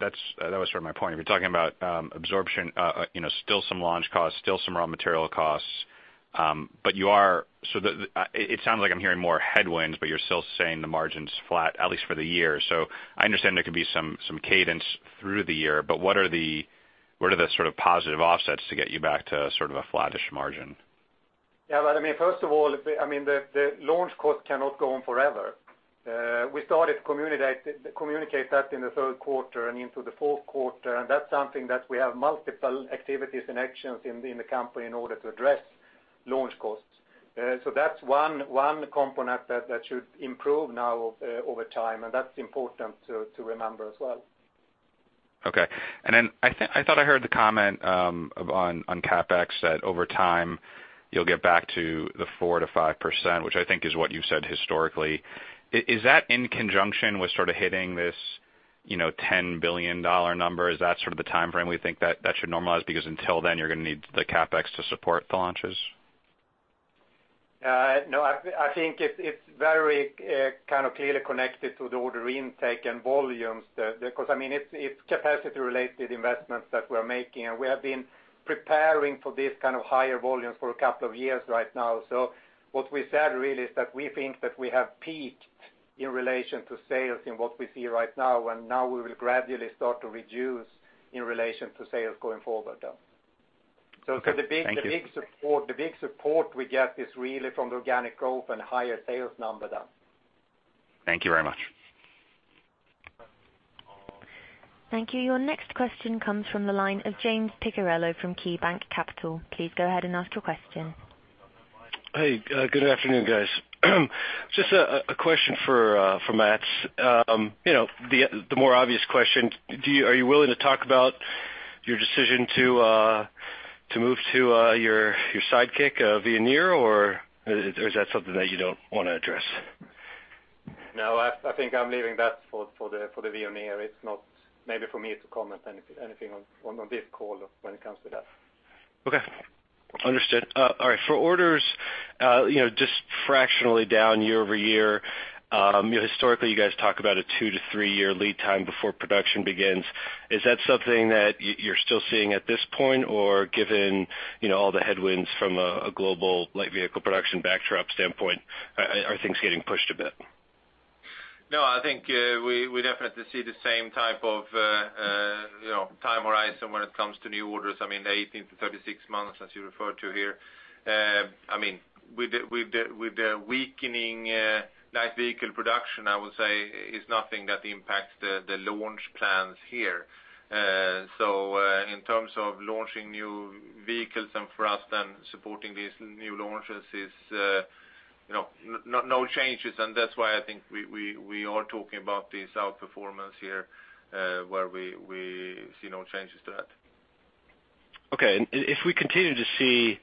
that was sort of my point. If you're talking about absorption, still some launch costs, still some raw material costs. It sounds like I'm hearing more headwinds, but you're still saying the margin's flat, at least for the year. I understand there could be some cadence through the year, but what are the sort of positive offsets to get you back to sort of a flattish margin? Yeah, first of all, the launch cost cannot go on forever. We started to communicate that in the third quarter and into the fourth quarter, and that's something that we have multiple activities and actions in the company in order to address launch costs. That's one component that should improve now over time, and that's important to remember as well. Okay. I thought I heard the comment on CapEx that over time you'll get back to the 4%-5%, which I think is what you've said historically. Is that in conjunction with hitting this $10 billion number? Is that the timeframe we think that should normalize, because until then you're going to need the CapEx to support the launches? No, I think it's very kind of clearly connected to the order intake and volumes. It's capacity-related investments that we're making, and we have been preparing for this kind of higher volumes for a couple of years right now. What we said really is that we think that we have peaked in relation to sales in what we see right now, and now we will gradually start to reduce in relation to sales going forward though. Okay. Thank you. The big support we get is really from the organic growth and higher sales number though. Thank you very much. Thank you. Your next question comes from the line of James Picariello from KeyBanc Capital Markets. Please go ahead and ask your question. Hey, good afternoon, guys. Just a question for Mats. The more obvious question, are you willing to talk about your decision to move to your sidekick, Veoneer, or is that something that you don't want to address? No, I think I'm leaving that for the Veoneer. It's not maybe for me to comment anything on this call when it comes to that. Okay. Understood. All right. For orders, just fractionally down year-over-year. Historically, you guys talk about a two to three year lead time before production begins. Is that something that you're still seeing at this point, or given all the headwinds from a global light vehicle production backdrop standpoint, are things getting pushed a bit? I think we definitely see the same type of time horizon when it comes to new orders. 18-36 months, as you referred to here. With the weakening light vehicle production, I would say it's nothing that impacts the launch plans here. In terms of launching new vehicles and for us then supporting these new launches, no changes, and that's why I think we are talking about this outperformance here, where we see no changes to that. Okay. If we continue to see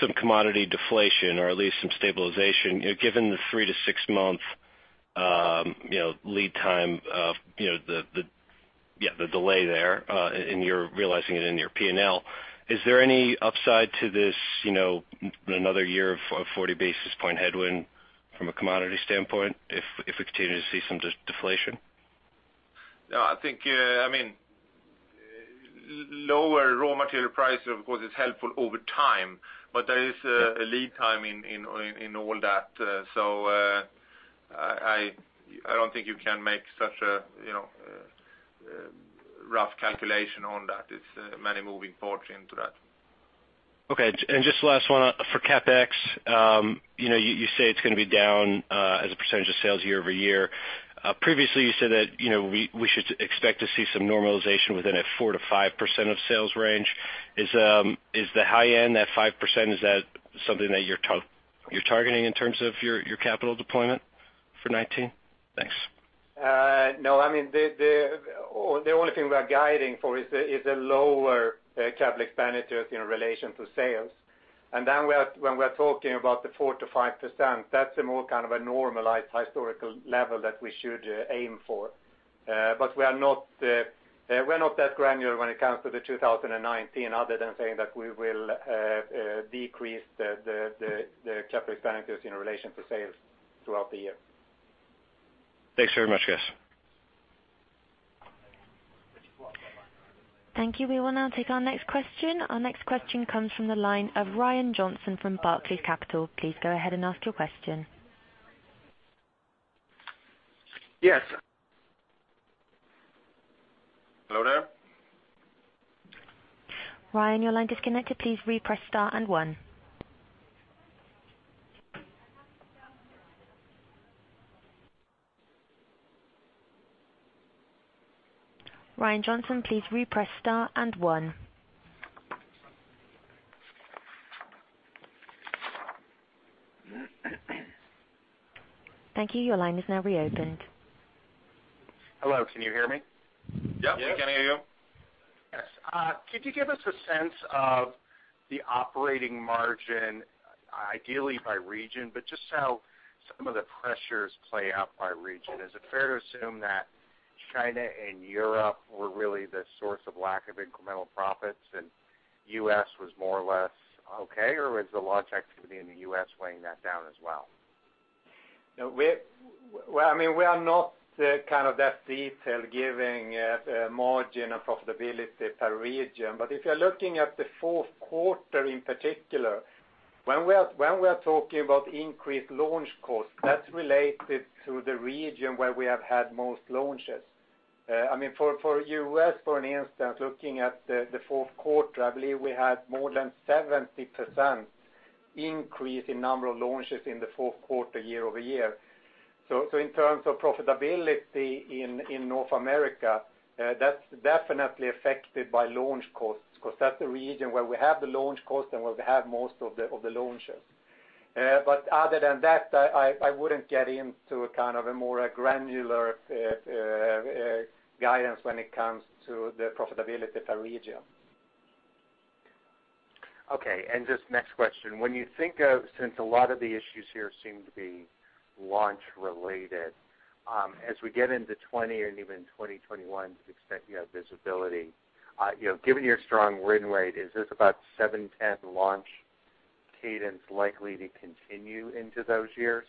some commodity deflation or at least some stabilization, given the three to six month lead time of the delay there, and you're realizing it in your P&L, is there any upside to this another year of 40 basis points headwind from a commodity standpoint, if we continue to see some deflation? I think lower raw material price, of course, is helpful over time. There is a lead time in all that. I don't think you can make such a rough calculation on that. It's many moving parts into that. Okay. Just last one for CapEx. You say it's going to be down as a percentage of sales year-over-year. Previously, you said that we should expect to see some normalization within a 4%-5% of sales range. Is the high end, that 5%, is that something that you're targeting in terms of your capital deployment for 2019? Thanks. No. The only thing we are guiding for is a lower capital expenditures in relation to sales. When we're talking about the 4%-5%, that's a more kind of a normalized historical level that we should aim for. We are not that granular when it comes to the 2019 other than saying that we will decrease the capital expenditures in relation to sales throughout the year. Thanks very much, guys. Thank you. We will now take our next question. Our next question comes from the line of Ryan Brinkman from Barclays Capital. Please go ahead and ask your question. Yes. Hello there. Ryan, your line disconnected. Please repress star and one. Ryan Brinkman, please repress star and one. Thank you. Your line is now reopened. Hello, can you hear me? Yep, we can hear you. Yes. Could you give us a sense of the operating margin, ideally by region, but just how some of the pressures play out by region? Is it fair to assume that China and Europe were really the source of lack of incremental profits, and U.S. was more or less okay, or was the launch activity in the U.S. weighing that down as well? We are not that detailed giving margin and profitability per region. If you're looking at the fourth quarter in particular, when we are talking about increased launch costs, that's related to the region where we have had most launches. For U.S., for instance, looking at the fourth quarter, I believe we had more than 70% increase in number of launches in the fourth quarter, year-over-year. In terms of profitability in North America, that's definitely affected by launch costs because that's the region where we have the launch cost and where we have most of the launches. Other than that, I wouldn't get into a more granular guidance when it comes to the profitability per region. Okay. Just next question. Since a lot of the issues here seem to be launch related, as we get into 2020 and even 2021, to the extent you have visibility, given your strong win rate, is this about 710 launch cadence likely to continue into those years?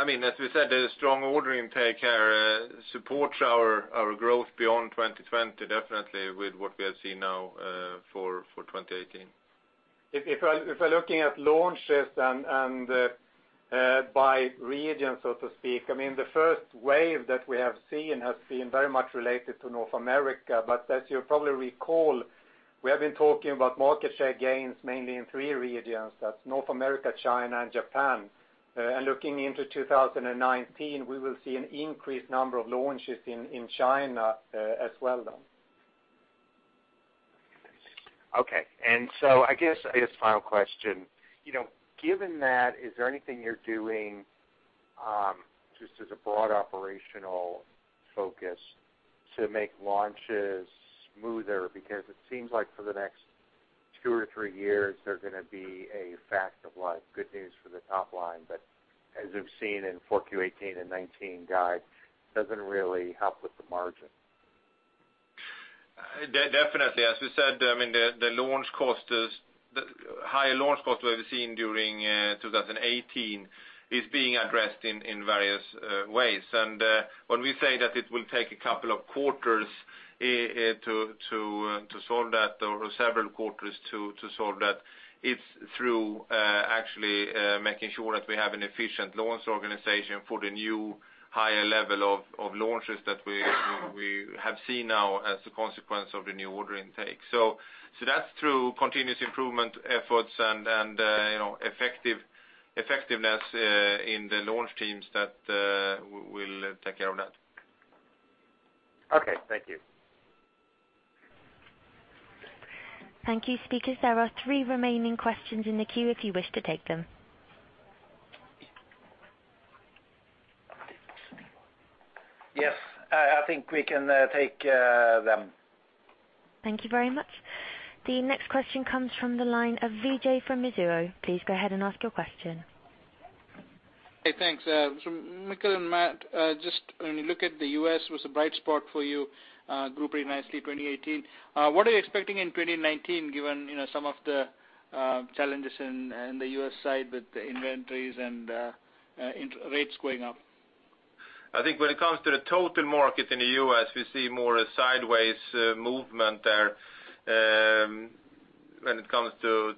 As we said, the strong order intake here supports our growth beyond 2020, definitely with what we have seen now for 2018. If we're looking at launches and by region, so to speak, the first wave that we have seen has been very much related to North America. As you probably recall, we have been talking about market share gains mainly in three regions. That's North America, China, and Japan. Looking into 2019, we will see an increased number of launches in China as well, though. Okay. I guess final question. Given that, is there anything you're doing, just as a broad operational focus to make launches smoother? Because it seems like for the next two or three years, they're going to be a fact of life, good news for the top line, but as we've seen in 4Q 2018 and 2019 guide, doesn't really help with the margin. Definitely. As we said, the higher launch cost we've seen during 2018 is being addressed in various ways. When we say that it will take a couple of quarters to solve that, or several quarters to solve that, it's through actually making sure that we have an efficient launch organization for the new higher level of launches that we have seen now as a consequence of the new order intake. That's through continuous improvement efforts and effectiveness in the launch teams that will take care of that. Okay. Thank you. Thank you, speakers. There are three remaining questions in the queue if you wish to take them. Yes, I think we can take them. Thank you very much. The next question comes from the line of Vijay from Mizuho. Please go ahead and ask your question. Hey, thanks. Mikael and Mats, just when you look at the U.S., was a bright spot for you, grew pretty nicely 2018. What are you expecting in 2019 given some of the challenges in the U.S. side with the inventories and rates going up? I think when it comes to the total market in the U.S., we see more a sideways movement there. When it comes to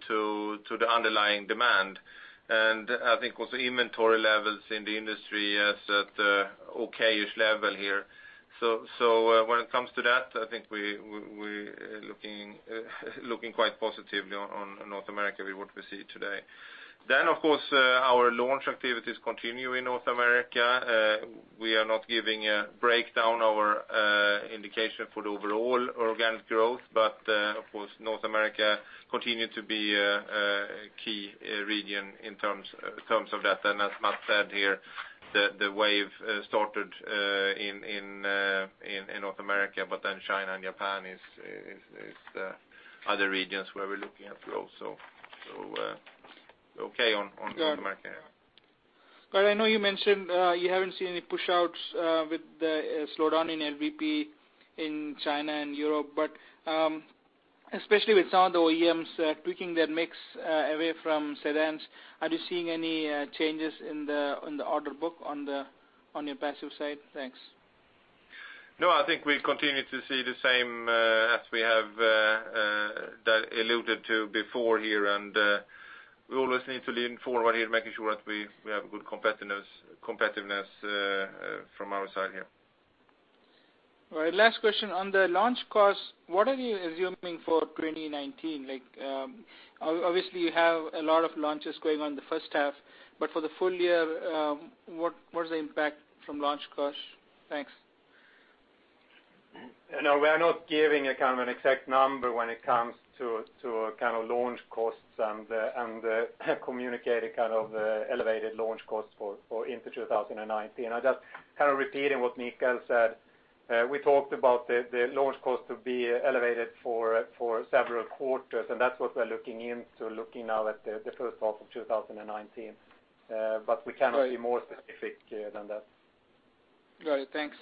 the underlying demand, I think also inventory levels in the industry is at okay-ish level here. When it comes to that, I think we're looking quite positively on North America with what we see today. Of course, our launch activities continue in North America. We are not giving a breakdown or indication for the overall organic growth, but of course, North America continue to be a key region in terms of that. As Mats said here, the wave started in North America, but China and Japan is the other regions where we're looking at growth. Okay on North America. Got it. I know you mentioned you haven't seen any push-outs with the slowdown in LVP in China and Europe, but especially with some of the OEMs tweaking their mix away from sedans, are you seeing any changes in the order book on your passive side? Thanks. No, I think we continue to see the same as we have that alluded to before here, we always need to lean forward here, making sure that we have good competitiveness from our side here. All right. Last question. On the launch costs, what are you assuming for 2019? Obviously, you have a lot of launches going on the first half, but for the full year, what is the impact from launch costs? Thanks. No, we are not giving kind of an exact number when it comes to kind of launch costs and communicating kind of elevated launch costs into 2019. I just kind of repeating what Mikael said. We talked about the launch cost to be elevated for several quarters, and that's what we're looking into, looking now at the first half of 2019. We cannot be more specific than that. Got it. Thanks.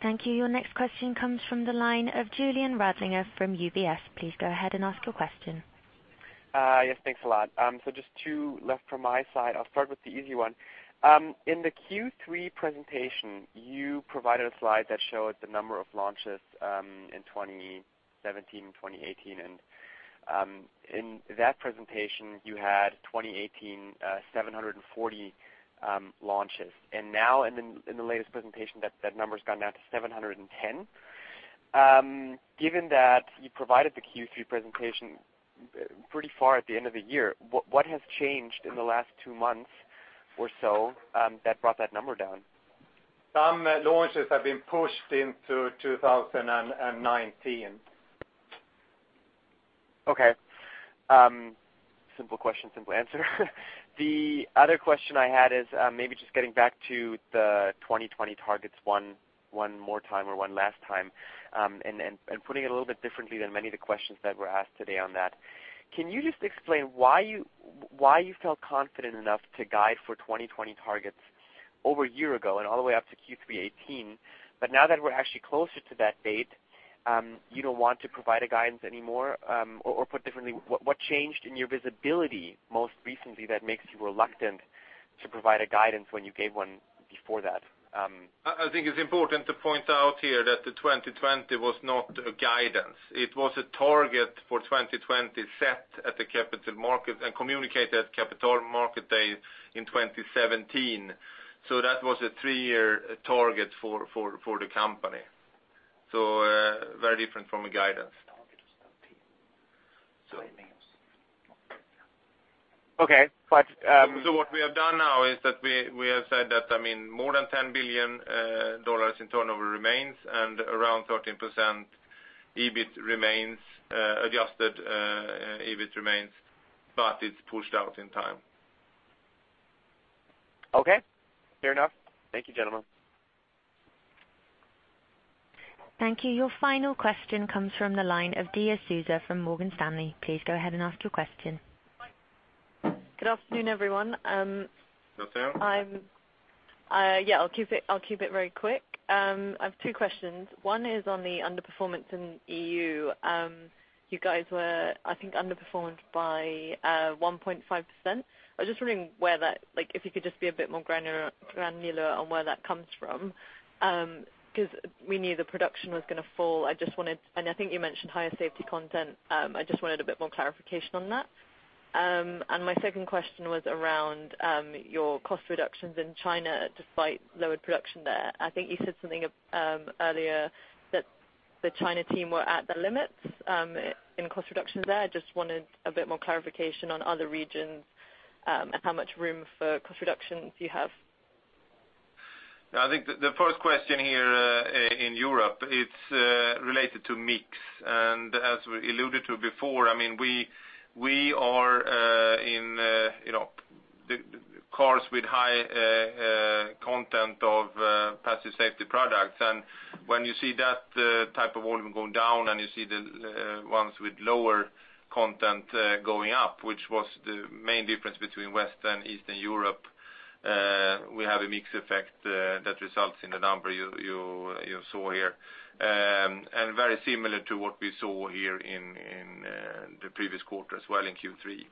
Thank you. Your next question comes from the line of Julien Raffestin from UBS. Please go ahead and ask your question. Yes, thanks a lot. Just two left from my side. I'll start with the easy one. In the Q3 presentation, you provided a slide that showed the number of launches in 2017 and 2018, and in that presentation you had 2018, 740 launches. Now, in the latest presentation, that number's gone down to 710. Given that you provided the Q3 presentation pretty far at the end of the year, what has changed in the last two months or so that brought that number down? Some launches have been pushed into 2019. Okay. Simple question, simple answer. The other question I had is maybe just getting back to the 2020 targets one more time or one last time, and putting it a little bit differently than many of the questions that were asked today on that. Can you just explain why you felt confident enough to guide for 2020 targets over a year ago and all the way up to Q3 2018, but now that we're actually closer to that date, you don't want to provide a guidance anymore? Or put differently, what changed in your visibility most recently that makes you reluctant to provide a guidance when you gave one before that? I think it's important to point out here that the 2020 was not a guidance. It was a target for 2020 set at the capital market and communicated at Capital Markets Day in 2017. That was a three-year target for the company. Very different from a guidance. Okay. What we have done now is that we have said that more than $10 billion in turnover remains, and around 13% EBIT remains, adjusted EBIT remains, but it's pushed out in time. Okay. Fair enough. Thank you, gentlemen. Thank you. Your final question comes from the line of Armintas Sinkevicius from Morgan Stanley. Please go ahead and ask your question. Good afternoon, everyone. Armintas. Yeah, I'll keep it very quick. I have two questions. One is on the underperformance in EU. You guys were, I think, underperformed by 1.5%. I was just wondering if you could just be a bit more granular on where that comes from, because we knew the production was going to fall. I think you mentioned higher safety content. I just wanted a bit more clarification on that. My second question was around your cost reductions in China despite lowered production there. I think you said something earlier that the China team were at the limits in cost reductions there. I just wanted a bit more clarification on other regions, and how much room for cost reductions you have. I think the first question here in Europe, it's related to mix. As we alluded to before, we are in the cars with high content of passive safety products. When you see that type of volume going down and you see the ones with lower content going up, which was the main difference between West and Eastern Europe, we have a mix effect that results in the number you saw here. Very similar to what we saw here in the previous quarter as well in Q3.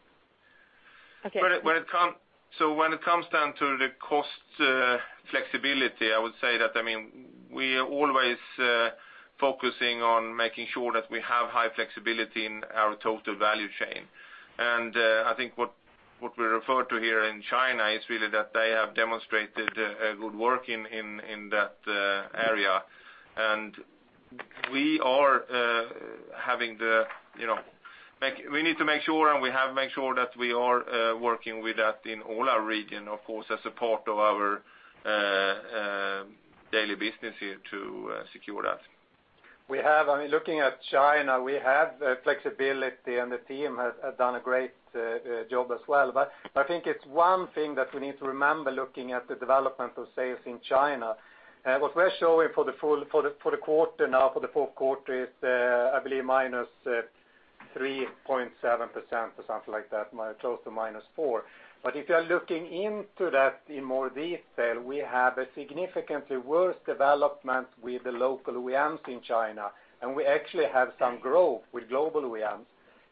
Okay. When it comes down to the cost flexibility, I would say that we are always focusing on making sure that we have high flexibility in our total value chain. I think what we refer to here in China is really that they have demonstrated good work in that area. We need to make sure, and we have made sure that we are working with that in all our region, of course, as a part of our daily business here to secure that. Looking at China, we have flexibility, and the team has done a great job as well. I think it's one thing that we need to remember looking at the development of sales in China. What we're showing for the quarter now, for the fourth quarter, is, I believe, -3.7% or something like that, close to -4%. If you are looking into that in more detail, we have a significantly worse development with the local OEMs in China, and we actually have some growth with global OEMs.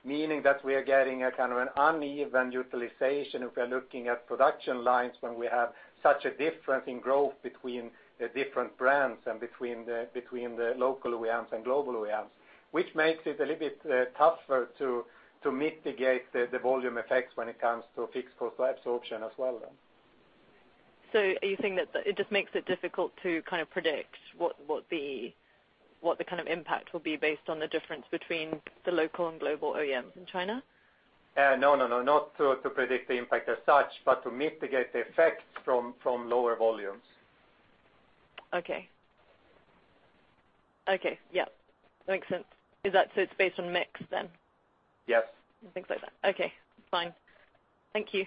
Meaning that we are getting a kind of an uneven utilization if we're looking at production lines when we have such a difference in growth between the different brands and between the local OEMs and global OEMs. Which makes it a little bit tougher to mitigate the volume effects when it comes to fixed cost absorption as well then. Are you saying that it just makes it difficult to kind of predict what the kind of impact will be based on the difference between the local and global OEMs in China? No, not to predict the impact as such, but to mitigate the effects from lower volumes. Okay. Yeah. Makes sense. It's based on mix, then? Yes. Things like that. Okay, fine. Thank you.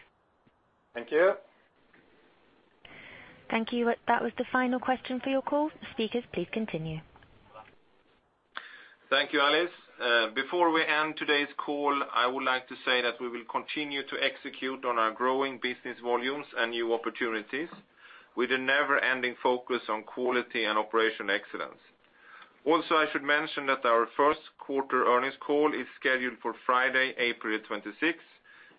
Thank you. Thank you. That was the final question for your call. Speakers, please continue. Thank you, Alice. Before we end today's call, I would like to say that we will continue to execute on our growing business volumes and new opportunities with a never-ending focus on quality and operation excellence. Also, I should mention that our first quarter earnings call is scheduled for Friday, April 26th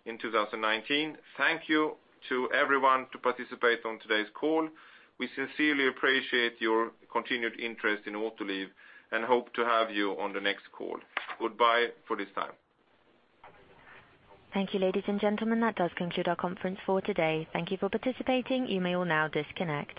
in 2019. Thank you to everyone to participate on today's call. We sincerely appreciate your continued interest in Autoliv and hope to have you on the next call. Goodbye for this time. Thank you, ladies and gentlemen. That does conclude our conference for today. Thank you for participating. You may all now disconnect.